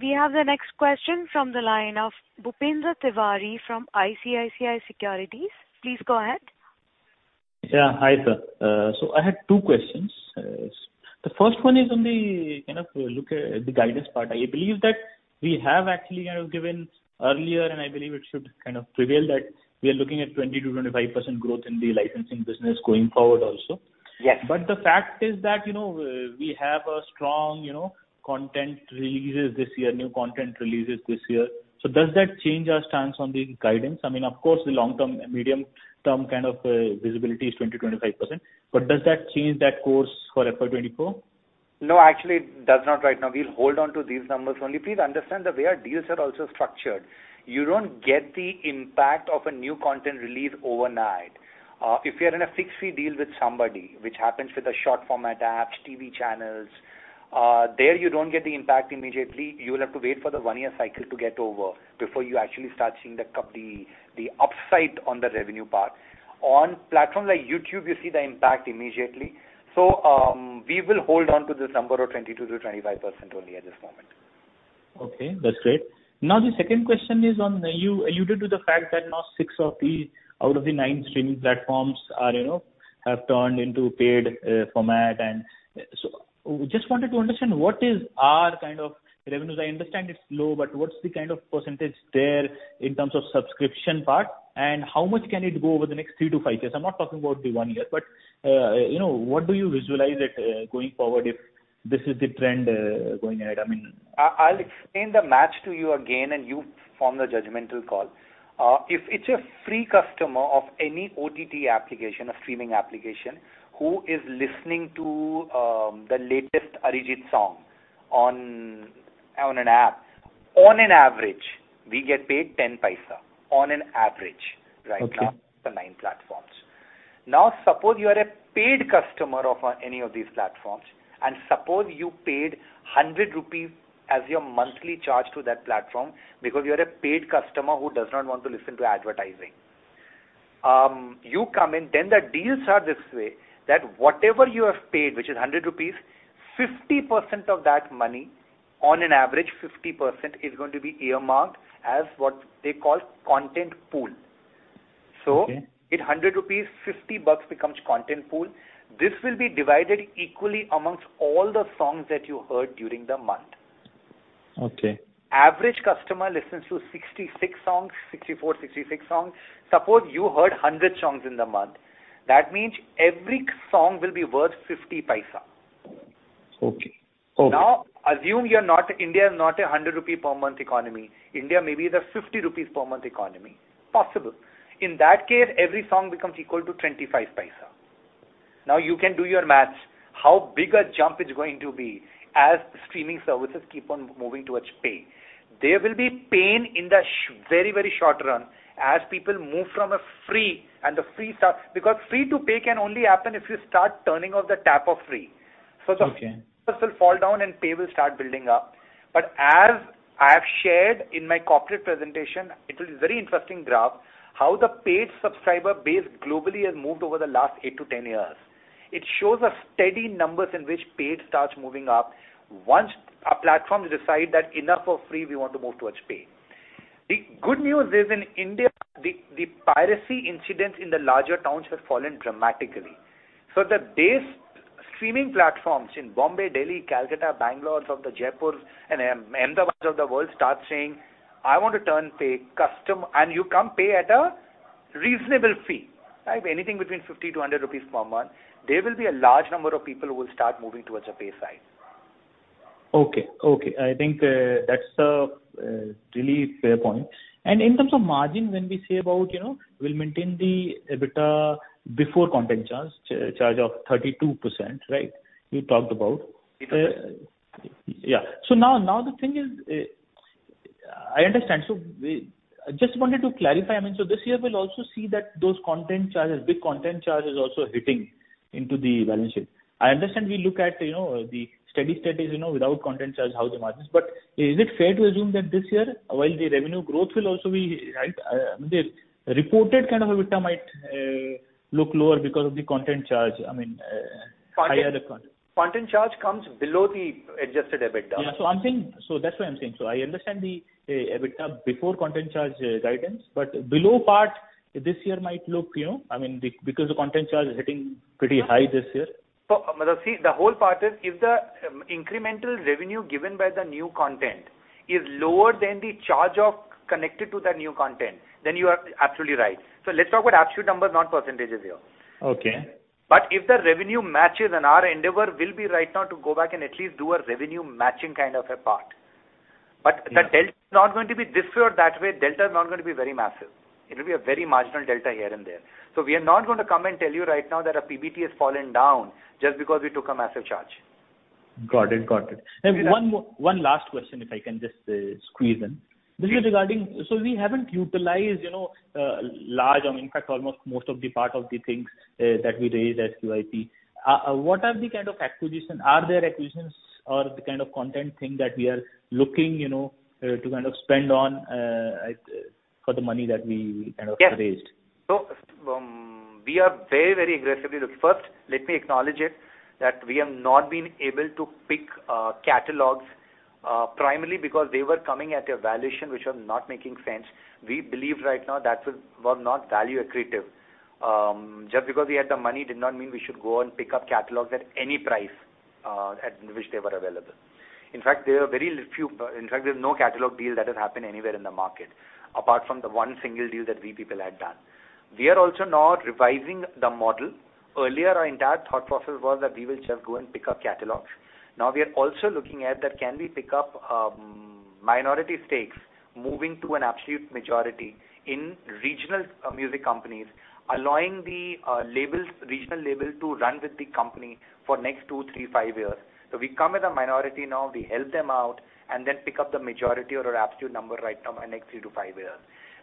We have the next question from the line of Bhupendra Tiwary from ICICI Securities. Please go ahead. Yeah. Hi, sir. So I had two questions. The first one is on the kind of look at the guidance part. I believe that we have actually kind of given earlier, and I believe it should kind of prevail that we are looking at 20%-25% growth in the licensing business going forward also. Yes. The fact is that, you know, we have a strong, you know, content releases this year, new content releases this year. Does that change our stance on the guidance? I mean, of course, the long-term, medium-term kind of visibility is 20%-25%, but does that change that course for FY 2024? No, actually it does not right now. We'll hold on to these numbers only. Please understand the way our deals are also structured. You don't get the impact of a new content release overnight. If you're in a fix-fee deal with somebody, which happens with the short format apps, TV channels. There you don't get the impact immediately. You will have to wait for the one-year cycle to get over before you actually start seeing the upside on the revenue part. On platforms like YouTube, you see the impact immediately. We will hold on to this number of 22%-25% only at this moment. Okay, that's great. Now, the second question is on you. You did do the fact that now six out of the nine streaming platforms are, you know, have turned into paid format. Just wanted to understand what is our kind of revenues. I understand it's low, but what's the kind of percentage there in terms of subscription part, and how much can it go over the next 3-5 years? I'm not talking about the 1 year, but, you know, what do you visualize it going forward if this is the trend going ahead? I mean... I'll explain the match to you again. You form the judgmental call. If it's a free customer of any OTT application or streaming application who is listening to the latest Arijit song on an app, on an average, we get paid 10 paise. On an average right now... Okay. -for 9 platforms. Suppose you are a paid customer of any of these platforms, and suppose you paid 100 rupees as your monthly charge to that platform because you are a paid customer who does not want to listen to advertising. You come in, the deals are this way, that whatever you have paid, which is 100 rupees, 50% of that money, on an average 50% is going to be earmarked as what they call content pool. Okay. In 100 rupees, INR 50 becomes content pool. This will be divided equally amongst all the songs that you heard during the month. Okay. Average customer listens to 66 songs, 64, 66 songs. Suppose you heard 100 songs in the month, that means every song will be worth 0.50. Okay. Okay. Now, assume India is not a 100 rupee per month economy. India maybe is a 50 rupees per month economy. Possible. In that case, every song becomes equal to 25 paise. Now, you can do your math. How big a jump it's going to be as streaming services keep on moving towards pay. There will be pain in the very, very short run as people move from a free and the free stuff, because free to pay can only happen if you start turning off the tap of free. Okay. The will fall down and pay will start building up. As I have shared in my corporate presentation, it was a very interesting graph, how the paid subscriber base globally has moved over the last 8-10 years. It shows a steady numbers in which paid starts moving up once a platform decide that enough of free, we want to move towards pay. The good news is, in India, the piracy incidents in the larger towns have fallen dramatically. The base streaming platforms in Bombay, Delhi, Calcutta, Bangalore of the Jaipurs and Ahmedabads of the world start saying, "I want to turn pay and you come pay at a reasonable fee," right? Anything between 50-100 rupees per month, there will be a large number of people who will start moving towards the pay side. I think, that's a really fair point. In terms of margin, when we say about, you know, we'll maintain the EBITDA before content charge of 32%, right? You talked about. EBITDA. Yeah. Now, now the thing is, I understand. We just wanted to clarify, I mean, this year we'll also see that those content charges, big content charges also hitting into the balance sheet. I understand we look at, you know, the steady state is, you know, without content charge, how the margin is. Is it fair to assume that this year, while the revenue growth will also be, right, the reported kind of EBITDA might look lower because of the content charge? I mean, higher- Content, content charge comes below the Adjusted EBITDA. Yeah. That's why I'm saying. I understand the EBITDA before content charge guidance. Below part this year might look, you know, I mean because the content charge is hitting pretty high this year. Bhupendra, see, the whole part is if the incremental revenue given by the new content is lower than the charge off connected to the new content, then you are absolutely right. Let's talk about absolute numbers, not percentages here. Okay. If the revenue matches, and our endeavor will be right now to go back and at least do a revenue matching kind of a part. Yeah. The delta is not going to be this way or that way. Delta is not gonna be very massive. It will be a very marginal delta here and there. We are not gonna come and tell you right now that our PBT has fallen down just because we took a massive charge. Got it. Got it. Yeah. One last question, if I can just squeeze in? Sure. This is regarding, we haven't utilized, you know, large or in fact almost most of the part of the things, that we raised as QIP. What are the kind of acquisition? Are there acquisitions or the kind of content thing that we are looking, you know, to kind of spend on, for the money that we kind of raised? We are very, very aggressively. Look, first let me acknowledge it that we have not been able to pick catalogs primarily because they were coming at a valuation which was not making sense. We believe right now that were not value accretive. Just because we had the money did not mean we should go and pick up catalogs at any price at which they were available. In fact, there are very few. In fact, there's no catalog deal that has happened anywhere in the market, apart from the one single deal that we people had done. We are also now revising the model. Earlier, our entire thought process was that we will just go and pick up catalogs. We are also looking at that can we pick up, minority stakes, moving to an absolute majority in regional, music companies, allowing the, labels, regional labels to run with the company for next two, three, five years. We come as a minority now, we help them out and then pick up the majority or absolute number right now in next 3 to 5 years.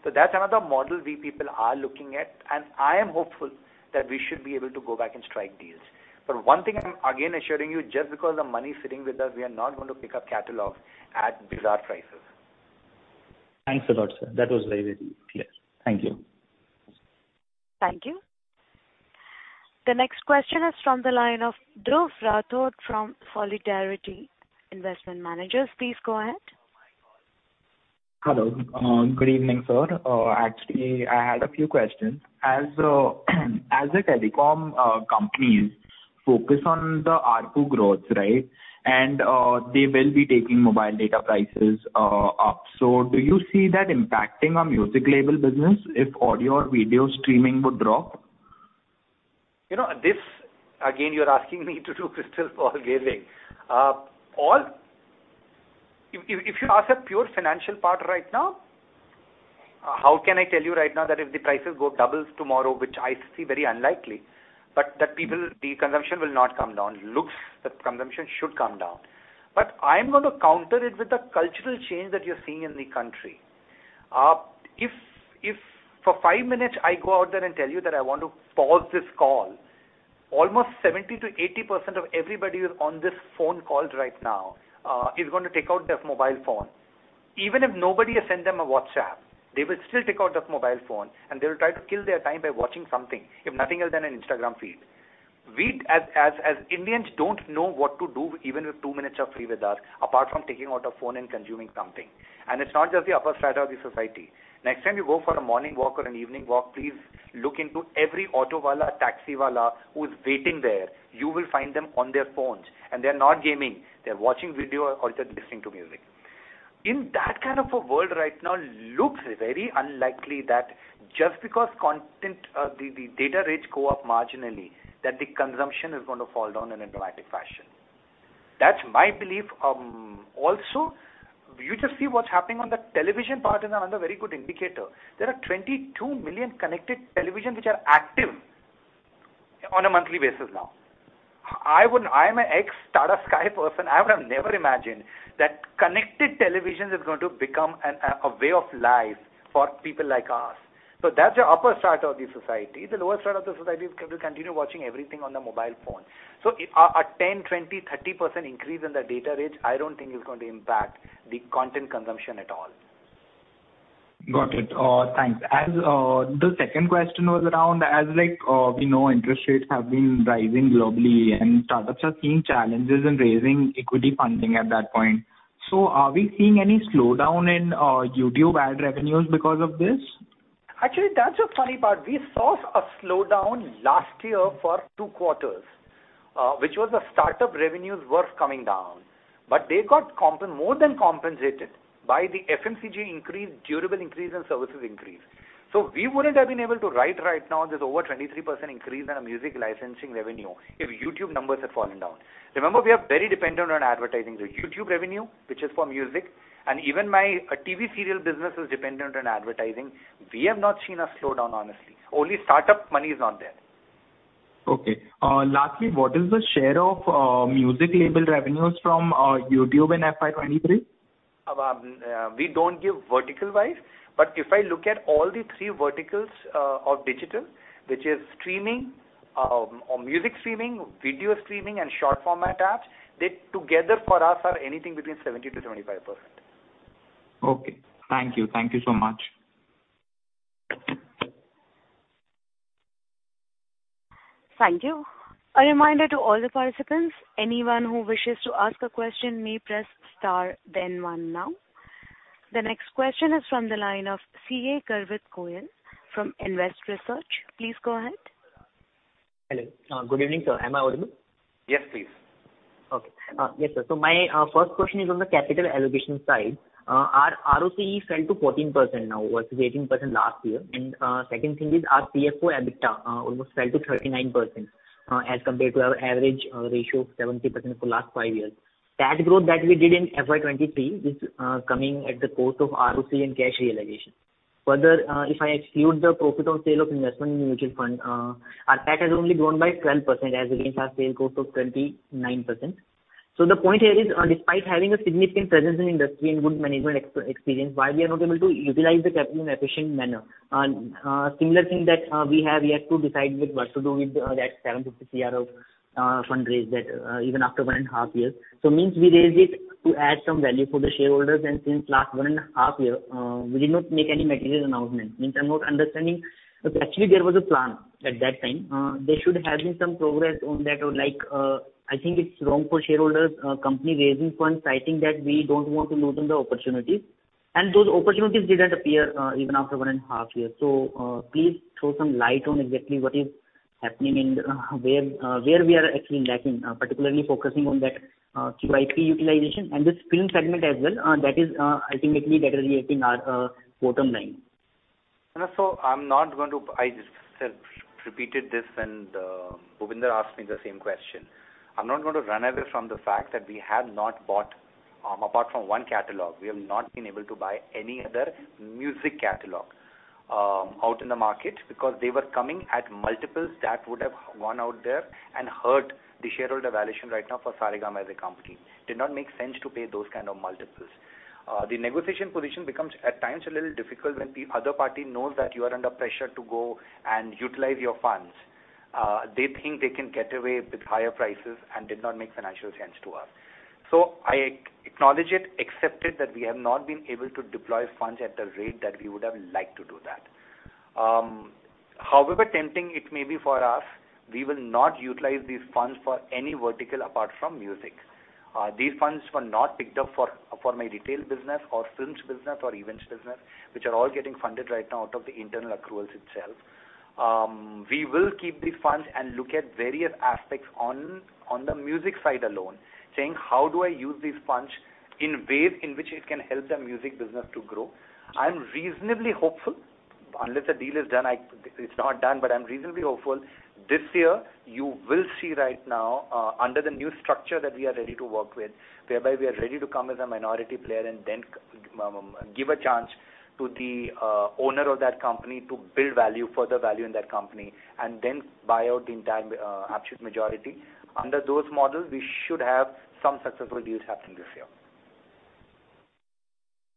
That's another model we people are looking at, and I am hopeful that we should be able to go back and strike deals. One thing I'm again assuring you, just because the money is sitting with us, we are not going to pick up catalogs at bizarre prices. Thanks a lot, sir. That was very, very clear. Thank you. Thank you. The next question is from the line of Dhruv Rathod from Solidarity Investment Managers. Please go ahead. Hello. good evening, sir. actually, I had a few questions. As, as the telecom, companies focus on the ARPU growth, right? They will be taking mobile data prices, up. Do you see that impacting our music label business if audio or video streaming would drop? You know, again, you're asking me to do crystal ball gazing. If you ask a pure financial part right now, how can I tell you right now that if the prices go doubles tomorrow, which I see very unlikely, but that people, the consumption will not come down. Looks, the consumption should come down. I'm gonna counter it with the cultural change that you're seeing in the country. If for five minutes I go out there and tell you that I want to pause this call, almost 70% to 80% of everybody who's on this phone call right now is gonna take out their mobile phone. Even if nobody has sent them a WhatsApp, they will still take out their mobile phone, and they will try to kill their time by watching something, if nothing else than an Instagram feed. We as Indians don't know what to do even if two minutes are free with us, apart from taking out a phone and consuming something. It's not just the upper strata of the society. Next time you go for a morning walk or an evening walk, please look into every autowala, taxiwala who's waiting there. You will find them on their phones, and they're not gaming. They're watching video or they're listening to music. In that kind of a world right now looks very unlikely that just because content, the data rates go up marginally, that the consumption is gonna fall down in a dramatic fashion. That's my belief. You just see what's happening on the television part is another very good indicator. There are 22 million connected televisions which are active on a monthly basis now. I am an ex-Tata Sky person, I would have never imagined that connected televisions is going to become a way of life for people like us. That's the upper strata of the society. The lower strata of the society will continue watching everything on their mobile phone. A 10%, 20%, 30% increase in the data rates, I don't think is going to impact the content consumption at all. Got it. Thanks. As, the second question was around as like, we know interest rates have been rising globally and startups are seeing challenges in raising equity funding at that point. Are we seeing any slowdown in YouTube ad revenues because of this? Actually, that's the funny part. We saw a slowdown last year for two quarters, which was the startup revenues were coming down, but they got more than compensated by the FMCG increase, durable increase and services increase. We wouldn't have been able to write right now this over 23% increase in our music licensing revenue if YouTube numbers had fallen down. Remember, we are very dependent on advertising. The YouTube revenue, which is for music, and even my TV serial business is dependent on advertising. We have not seen a slowdown, honestly. Only startup money is not there. Okay. Lastly, what is the share of music label revenues from YouTube in FY 2023? We don't give vertical wise, but if I look at all the three verticals, of digital, which is streaming, or music streaming, video streaming and short format apps, they together for us are anything between 17%-25%. Okay. Thank you. Thank you so much. Thank you. A reminder to all the participants, anyone who wishes to ask a question may press star then one now. The next question is from the line of CA Garvit Goyal from Nvest Research. Please go ahead. Hello. good evening, sir. Am I audible? Yes, please. Okay. Yes, sir. My first question is on the capital allocation side. Our ROCE fell to 14% now versus 18% last year. Second thing is our CFO EBITDA almost fell to 39% as compared to our average ratio of 70% for last five years. That growth that we did in FY 2023 is coming at the cost of ROCE and cash realization. Further, if I exclude the profit of sale of investment in mutual fund, our PAT has only grown by 12% as against our sales growth of 29%. The point here is, despite having a significant presence in industry and good management experience, why we are not able to utilize the capital in efficient manner? Similar thing that we have yet to decide with what to do with that 750 crore of fundraised that even after one and a half years. Means we raised it to add some value for the shareholders, and since last one and a half year, we did not make any material announcement. Means I'm not understanding if actually there was a plan at that time. There should have been some progress on that or like, I think it's wrong for shareholders, company raising funds, I think that we don't want to lose on the opportunity. Those opportunities didn't appear even after one and a half years. Please throw some light on exactly what is happening and where we are actually lacking, particularly focusing on that QIP utilization and this film segment as well, that is ultimately that is impacting our bottom line. I said, repeated this when Bhupendra asked me the same question. I'm not going to run away from the fact that we have not bought, apart from one catalog. We have not been able to buy any other music catalog, out in the market because they were coming at multiples that would have gone out there and hurt the shareholder valuation right now for Saregama as a company. Did not make sense to pay those kind of multiples. The negotiation position becomes at times a little difficult when the other party knows that you are under pressure to go and utilize your funds. They think they can get away with higher prices and did not make financial sense to us. I acknowledge it, accept it, that we have not been able to deploy funds at the rate that we would have liked to do that. However tempting it may be for us, we will not utilize these funds for any vertical apart from music. These funds were not picked up for my retail business or films business or events business, which are all getting funded right now out of the internal accruals itself. We will keep the funds and look at various aspects on the music side alone, saying, "How do I use these funds in ways in which it can help the music business to grow?" I'm reasonably hopeful, unless a deal is done, it's not done, but I'm reasonably hopeful. This year, you will see right now, under the new structure that we are ready to work with, whereby we are ready to come as a minority player and then give a chance to the owner of that company to build value, further value in that company, and then buy out the entire absolute majority. Under those models, we should have some successful deals happen this year.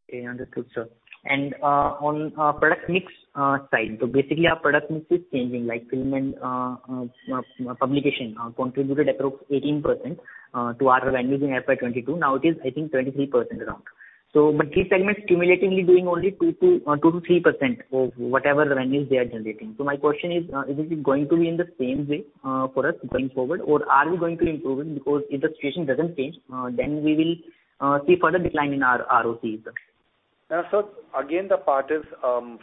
Okay, understood, sir. On product mix side. Basically our product mix is changing, like film and publication contributed approx 18% to our revenues in FY 2022. Now it is, I think, 23% around. But this segment cumulatively doing only 2%-3% of whatever revenues they are generating. My question is it going to be in the same way for us going forward, or are we going to improve it? Because if the situation doesn't change, then we will see further decline in our ROCE, sir. Again, the part is,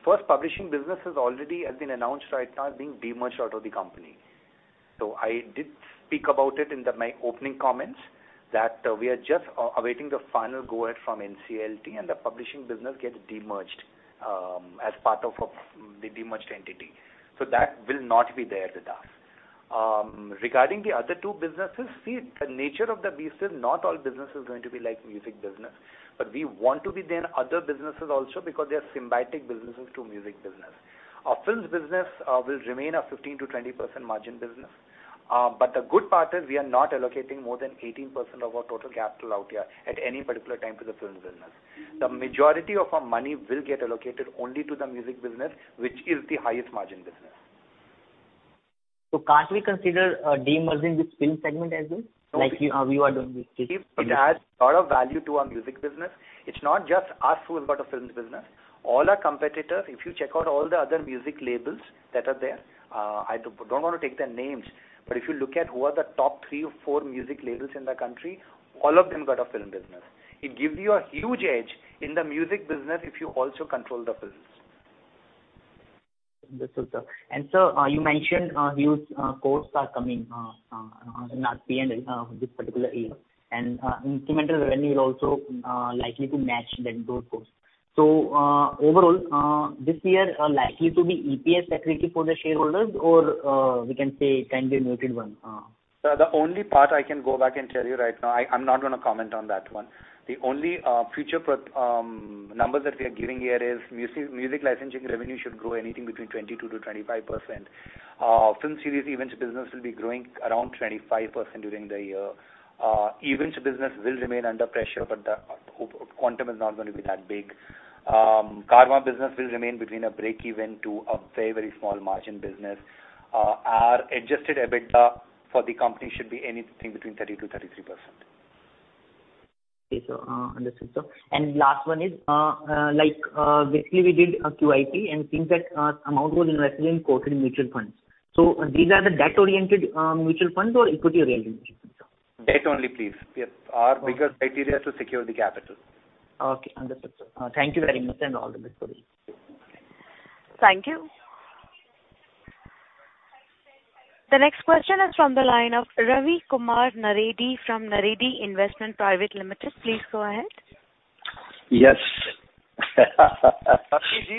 first publishing business has already been announced right now being demerged out of the company. I did speak about it in my opening comments that we are just awaiting the final go-ahead from NCLT and the publishing business gets demerged as part of the demerged entity. That will not be there with us. Regarding the other two businesses, see the nature of the business, not all business is going to be like music business, but we want to be there in other businesses also because they are symbiotic businesses to music business. Our films business will remain a 15%-20% margin business. But the good part is we are not allocating more than 18% of our total capital out here at any particular time to the films business. The majority of our money will get allocated only to the music business, which is the highest margin business. Can't we consider demerging this film segment as well? Like you are doing this. It adds a lot of value to our music business. It's not just us who has got a films business. All our competitors, if you check out all the other music labels that are there, I don't want to take their names, but if you look at who are the top three or four music labels in the country, all of them got a film business. It gives you a huge edge in the music business if you also control the films. Understood, sir. Sir, you mentioned, huge crores are coming, not P&L, this particular year. Incremental revenue will also likely to match that core course. Overall, this year are likely to be EPS accretive for the shareholders or, we can say can be muted one? The only part I can go back and tell you right now, I'm not gonna comment on that one. The only future numbers that we are giving here is music licensing revenue should grow anything between 22%-25%. Film series events business will be growing around 25% during the year. Events business will remain under pressure, but the quantum is not gonna be that big. Carvaan business will remain between a break-even to a very, very small margin business. Our Adjusted EBITDA for the company should be anything between 30%-33%. Okay, sir. understood, sir. Last one is, like, basically we did a QIP and things that, amount was invested in quoted mutual funds. These are the debt-oriented, mutual funds or equity-oriented mutual funds, sir? Debt only, please. Yep. Our bigger criteria is to secure the capital. Okay, understood, sir. Thank you very much and all the best for you. Okay. Thank you. The next question is from the line of Ravi Kumar Naredi from Naredi Investment Private Limited. Please go ahead. Yes. Ravi ji.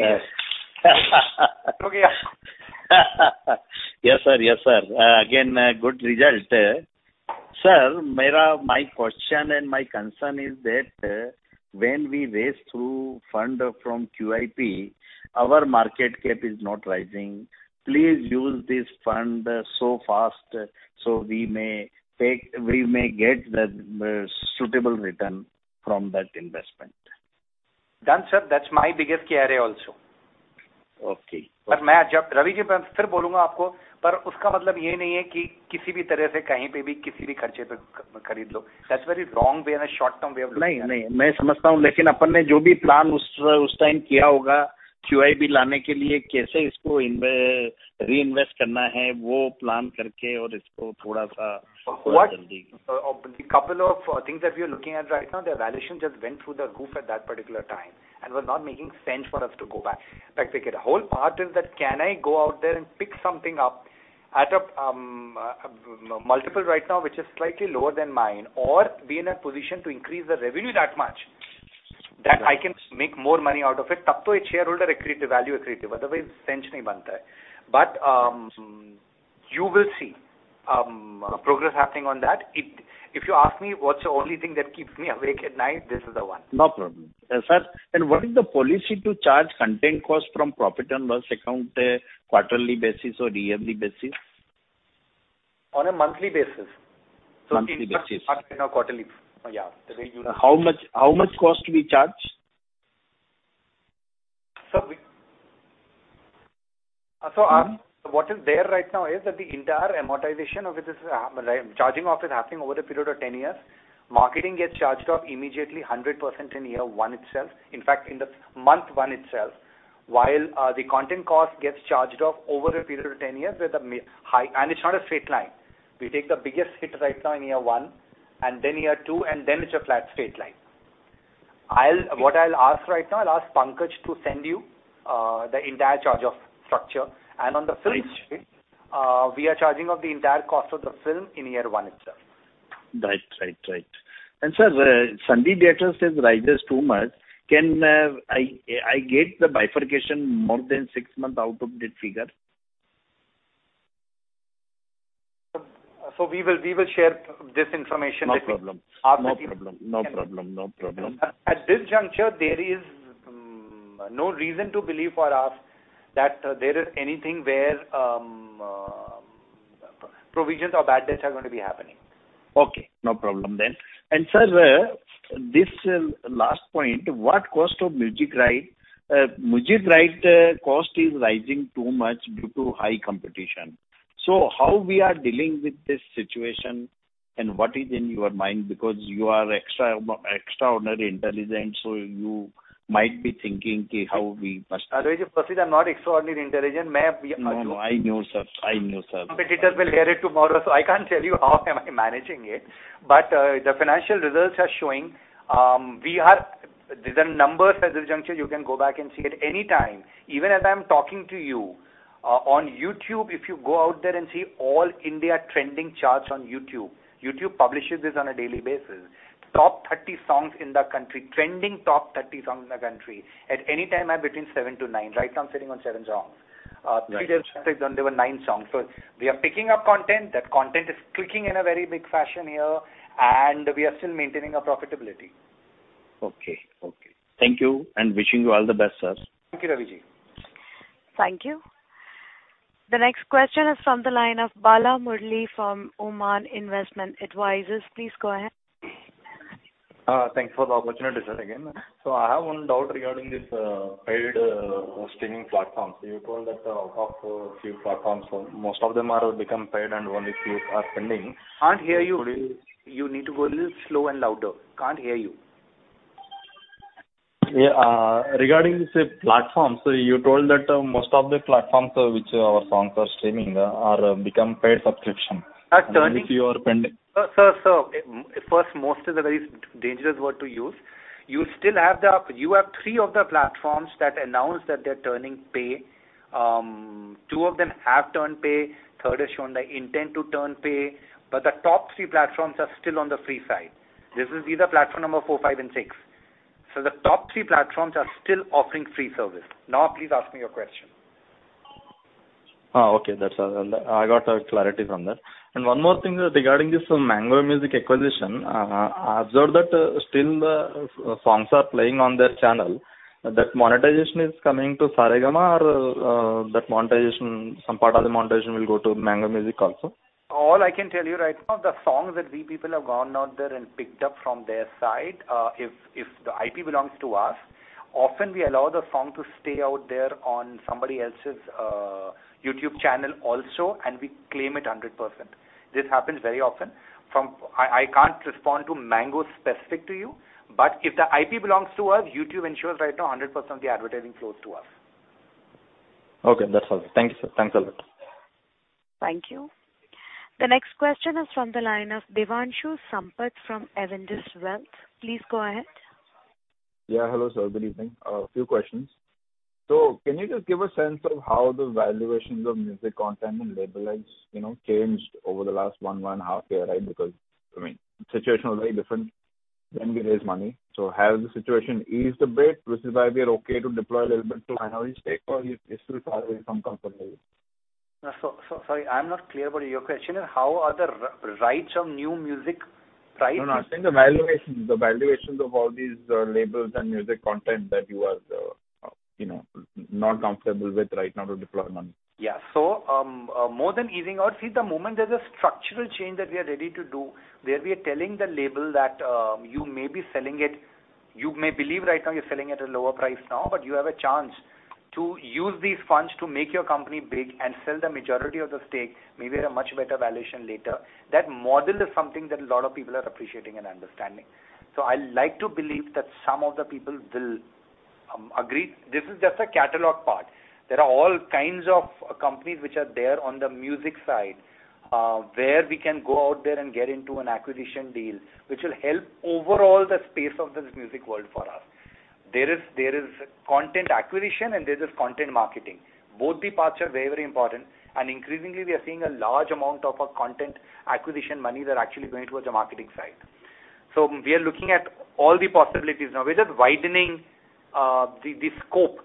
How are you? Yes, sir. Yes, sir. again, good result. Sir, my question and my concern is that, when we raise through fund from QIP, our market cap is not rising. Please use this fund so fast so we may get the suitable return from that investment. Done, sir. That's my biggest also. Okay. Sir, Ravi ji, That's very wrong way and a short-term way of looking at it. No, no. What, a couple of things that we are looking at right now, the valuation just went through the roof at that particular time and was not making sense for us to go back. The whole part is that can I go out there and pick something up at a multiple right now, which is slightly lower than mine, or be in a position to increase the revenue that much that I can make more money out of it? Otherwise, sense. You will see progress happening on that. If you ask me what's the only thing that keeps me awake at night, this is the one. No problem. Sir, what is the policy to charge content cost from profit and loss account, quarterly basis or yearly basis? On a monthly basis. Monthly basis. it's not, it's not quarterly. Yeah. How much cost we charge? What is there right now is that the entire amortization of this is charging off is happening over a period of 10 years. Marketing gets charged off immediately 100% in year one itself. In fact, in the month one itself. While the content cost gets charged off over a period of 10 years with a high, and it's not a straight line. We take the biggest hit right now in year one, and then year two, and then it's a flat straight line. What I'll ask right now, I'll ask Pankaj to send you the entire charge of structure. On the film space, we are charging off the entire cost of the film in year one itself. Right. Right. Right. Sir, Sunday theater sales rises too much. Can I get the bifurcation more than six months out of this figure? We will share this information with you. No problem. After the- No problem. No problem. No problem. At this juncture, there is no reason to believe for us that there is anything where provisions or bad debts are gonna be happening. Okay, no problem then. Sir, this last point, what cost of music right? Music right cost is rising too much due to high competition. How we are dealing with this situation and what is in your mind because you are extraordinary intelligent, so you might be thinking how we must- Ravi, firstly, I'm not extraordinary intelligent. No, no, I know, sir. I know, sir. Competitors will hear it tomorrow, so I can't tell you how am I managing it. The financial results are showing, these are numbers at this juncture. You can go back and see it anytime. Even as I'm talking to you, on YouTube, if you go out there and see all India trending charts on YouTube publishes this on a daily basis. Top 30 songs in the country, trending top 30 songs in the country. At any time, I'm between 7-9. Right now, I'm sitting on seven songs. Three days ago, there were nine songs. We are picking up content. That content is clicking in a very big fashion here, and we are still maintaining our profitability. Okay. Okay. Thank you, and wishing you all the best, sir. Thank you, Raviji. Thank you. The next question is from the line of Bala Murali from Oman Investment Advisors. Please go ahead. Thanks for the opportunity, sir, again. I have one doubt regarding this, paid, streaming platform. You told that out of few platforms, most of them are become paid and only few are pending. Can't hear you. You need to go a little slow and louder. Can't hear you. Regarding this platform. You told that most of the platforms which our songs are streaming are become paid subscription. Are turning- Which you are pending. Sir, first, most is a very dangerous word to use. You still have three of the platforms that announced that they're turning pay. Two of them have turned pay, third has shown the intent to turn pay, but the top three platforms are still on the free side. This is either platform number four, five, and six. The top three platforms are still offering free service. Please ask me your question. Oh, okay. That's all. I got a clarity from that. One more thing regarding this Mango Music acquisition. I observed that still the songs are playing on their channel. That monetization is coming to Saregama or that monetization, some part of the monetization will go to Mango Music also? All I can tell you right now, the songs that we people have gone out there and picked up from their side, if the IP belongs to us, often we allow the song to stay out there on somebody else's YouTube channel also, and we claim it 100%. This happens very often. I can't respond to Mango specific to you, but if the IP belongs to us, YouTube ensures right now a 100% of the advertising flows to us. Okay, that's all. Thank you, sir. Thanks a lot. Thank you. The next question is from the line of Devanshu Sampat from Avendus Wealth. Please go ahead. Yeah, hello, sir. Good evening. A few questions. Can you just give a sense of how the valuations of music content and label rights, you know, changed over the last one half year, right? I mean, situation was very different when we raised money. Has the situation eased a bit, which is why we are okay to deploy a little bit to minority stake, or it's still far away from comfort level? Sorry, I'm not clear about your question is how are the rights of new music rights- No, no. I'm saying the valuations. The valuations of all these labels and music content that you are, you know, not comfortable with right now to deploy money. More than easing out, see the moment there's a structural change that we are ready to do, where we are telling the label that you may believe right now you're selling at a lower price now, but you have a chance to use these funds to make your company big and sell the majority of the stake maybe at a much better valuation later. That model is something that a lot of people are appreciating and understanding. I like to believe that some of the people will agree. This is just a catalog part. There are all kinds of companies which are there on the music side, where we can go out there and get into an acquisition deal, which will help overall the space of this music world for us. There is content acquisition and there's just content marketing. Both the parts are very, very important. Increasingly, we are seeing a large amount of our content acquisition monies are actually going towards the marketing side. We are looking at all the possibilities now. We're just widening the scope.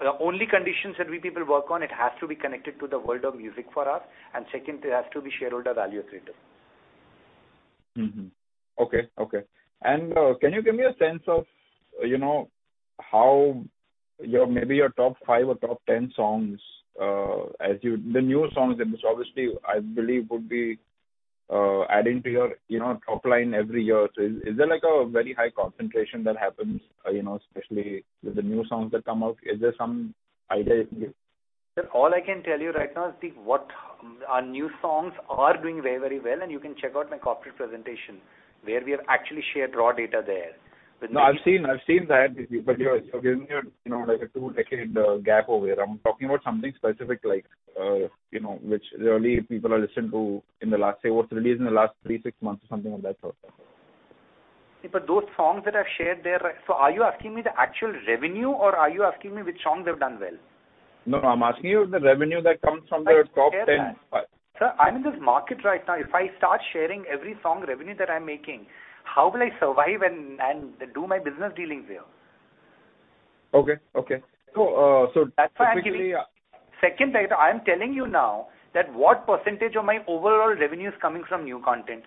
The only conditions that we people work on, it has to be connected to the world of music for us. Second, it has to be shareholder value creator. Okay. Okay. Can you give me a sense of, you know, how your maybe your top five or top 10 songs, as the newer songs in this, obviously, I believe would be adding to your, you know, top line every year. Is there like a very high concentration that happens, you know, especially with the new songs that come out? Is there some idea you can give? Sir, all I can tell you right now is Our new songs are doing very, very well, and you can check out my corporate presentation where we have actually shared raw data there. I've seen that with you're giving your, you know, like a two-decade gap over here. I'm talking about something specific like, you know, which really people have listened to in the last, say, what's released in the last 3-6 months or something of that sort. Those songs that I've shared there, are you asking me the actual revenue or are you asking me which songs have done well? No, I'm asking you the revenue that comes from the top 10. Sir, I'm in this market right now. If I start sharing every song revenue that I'm making, how will I survive and do my business dealings here? Okay. That's why I'm giving second data. I'm telling you now that what percentage of my overall revenue is coming from new content.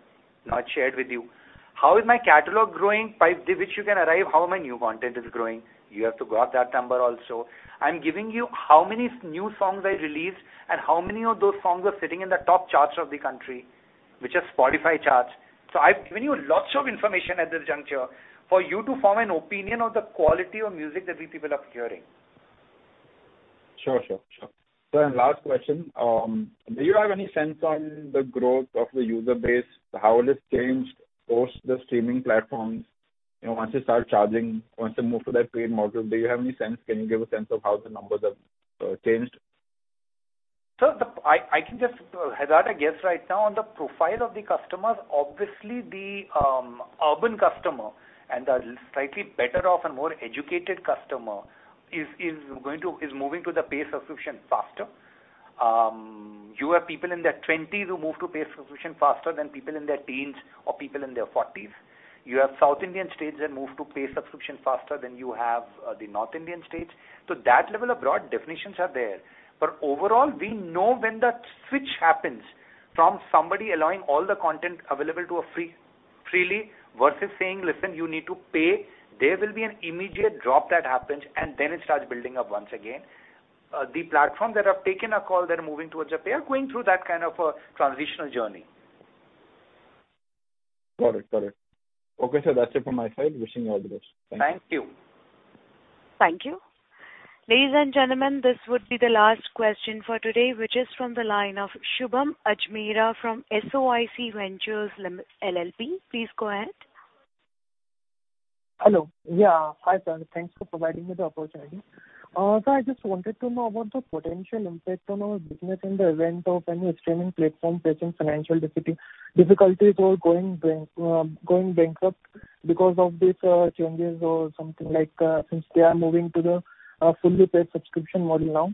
I've shared with you. How is my catalog growing by which you can arrive, how my new content is growing. You have to go up that number also. I'm giving you how many new songs I released and how many of those songs are sitting in the top charts of the country, which are Spotify charts. I've given you lots of information at this juncture for you to form an opinion of the quality of music that we people are hearing. Sure, sure. Last question. Do you have any sense on the growth of the user base? How it has changed post the streaming platforms, you know, once you start charging, once you move to that paid model, do you have any sense? Can you give a sense of how the numbers have changed? Sir, I can just hazard a guess right now on the profile of the customers. Obviously, the urban customer and the slightly better off and more educated customer is moving to the paid subscription faster. You have people in their twenties who move to paid subscription faster than people in their teens or people in their forties. You have South Indian states that move to paid subscription faster than you have the North Indian states. That level of broad definitions are there. Overall, we know when that switch happens from somebody allowing all the content available to a free, freely versus saying, "Listen, you need to pay," there will be an immediate drop that happens, and then it starts building up once again. The platforms that have taken a call, they're moving towards a pay, are going through that kind of a transitional journey. Got it. Got it. Okay, sir. That's it from my side. Wishing you all the best. Thanks. Thank you. Thank you. Ladies and gentlemen, this would be the last question for today, which is from the line of Shubham Ajmera from SOIC Ventures LLP. Please go ahead. Hello. Yeah. Hi, sir. Thanks for providing me the opportunity. I just wanted to know about the potential impact on our business in the event of any streaming platform facing financial difficulty, going bankrupt because of these changes or something like, since they are moving to the fully paid subscription model now.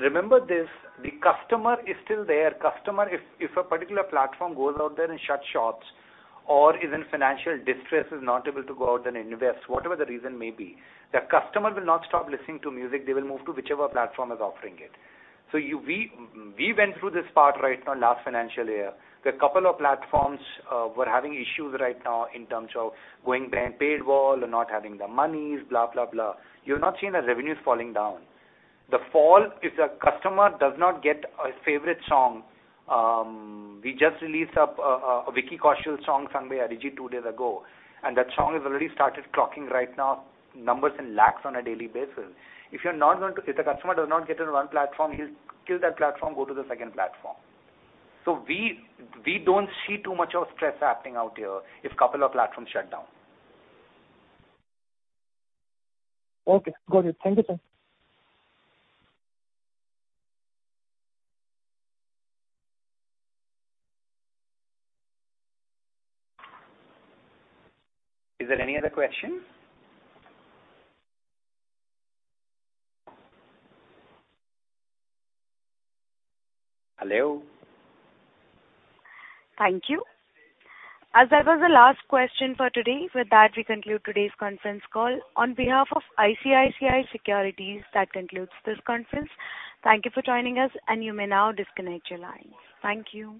Remember this, the customer is still there. Customer, if a particular platform goes out there and shuts shops or is in financial distress, is not able to go out and invest, whatever the reason may be, the customer will not stop listening to music. They will move to whichever platform is offering it. You, we went through this part right now last financial year. There are a couple of platforms were having issues right now in terms of going pay, paid wall and not having the monies, blah, blah. You're not seeing the revenues falling down. The fall, if the customer does not get his favorite song, we just released a Vicky Kaushal song, Sangme Arijit, two days ago, and that song has already started clocking right now numbers in lakhs on a daily basis. If the customer does not get it on one platform, he'll kill that platform, go to the second platform. We don't see too much of stress acting out here if couple of platforms shut down. Okay. Got it. Thank you, sir. Is there any other question? Hello? Thank you. As that was the last question for today, with that, we conclude today's conference call. On behalf of ICICI Securities, that concludes this conference. Thank you for joining us, and you may now disconnect your lines. Thank you.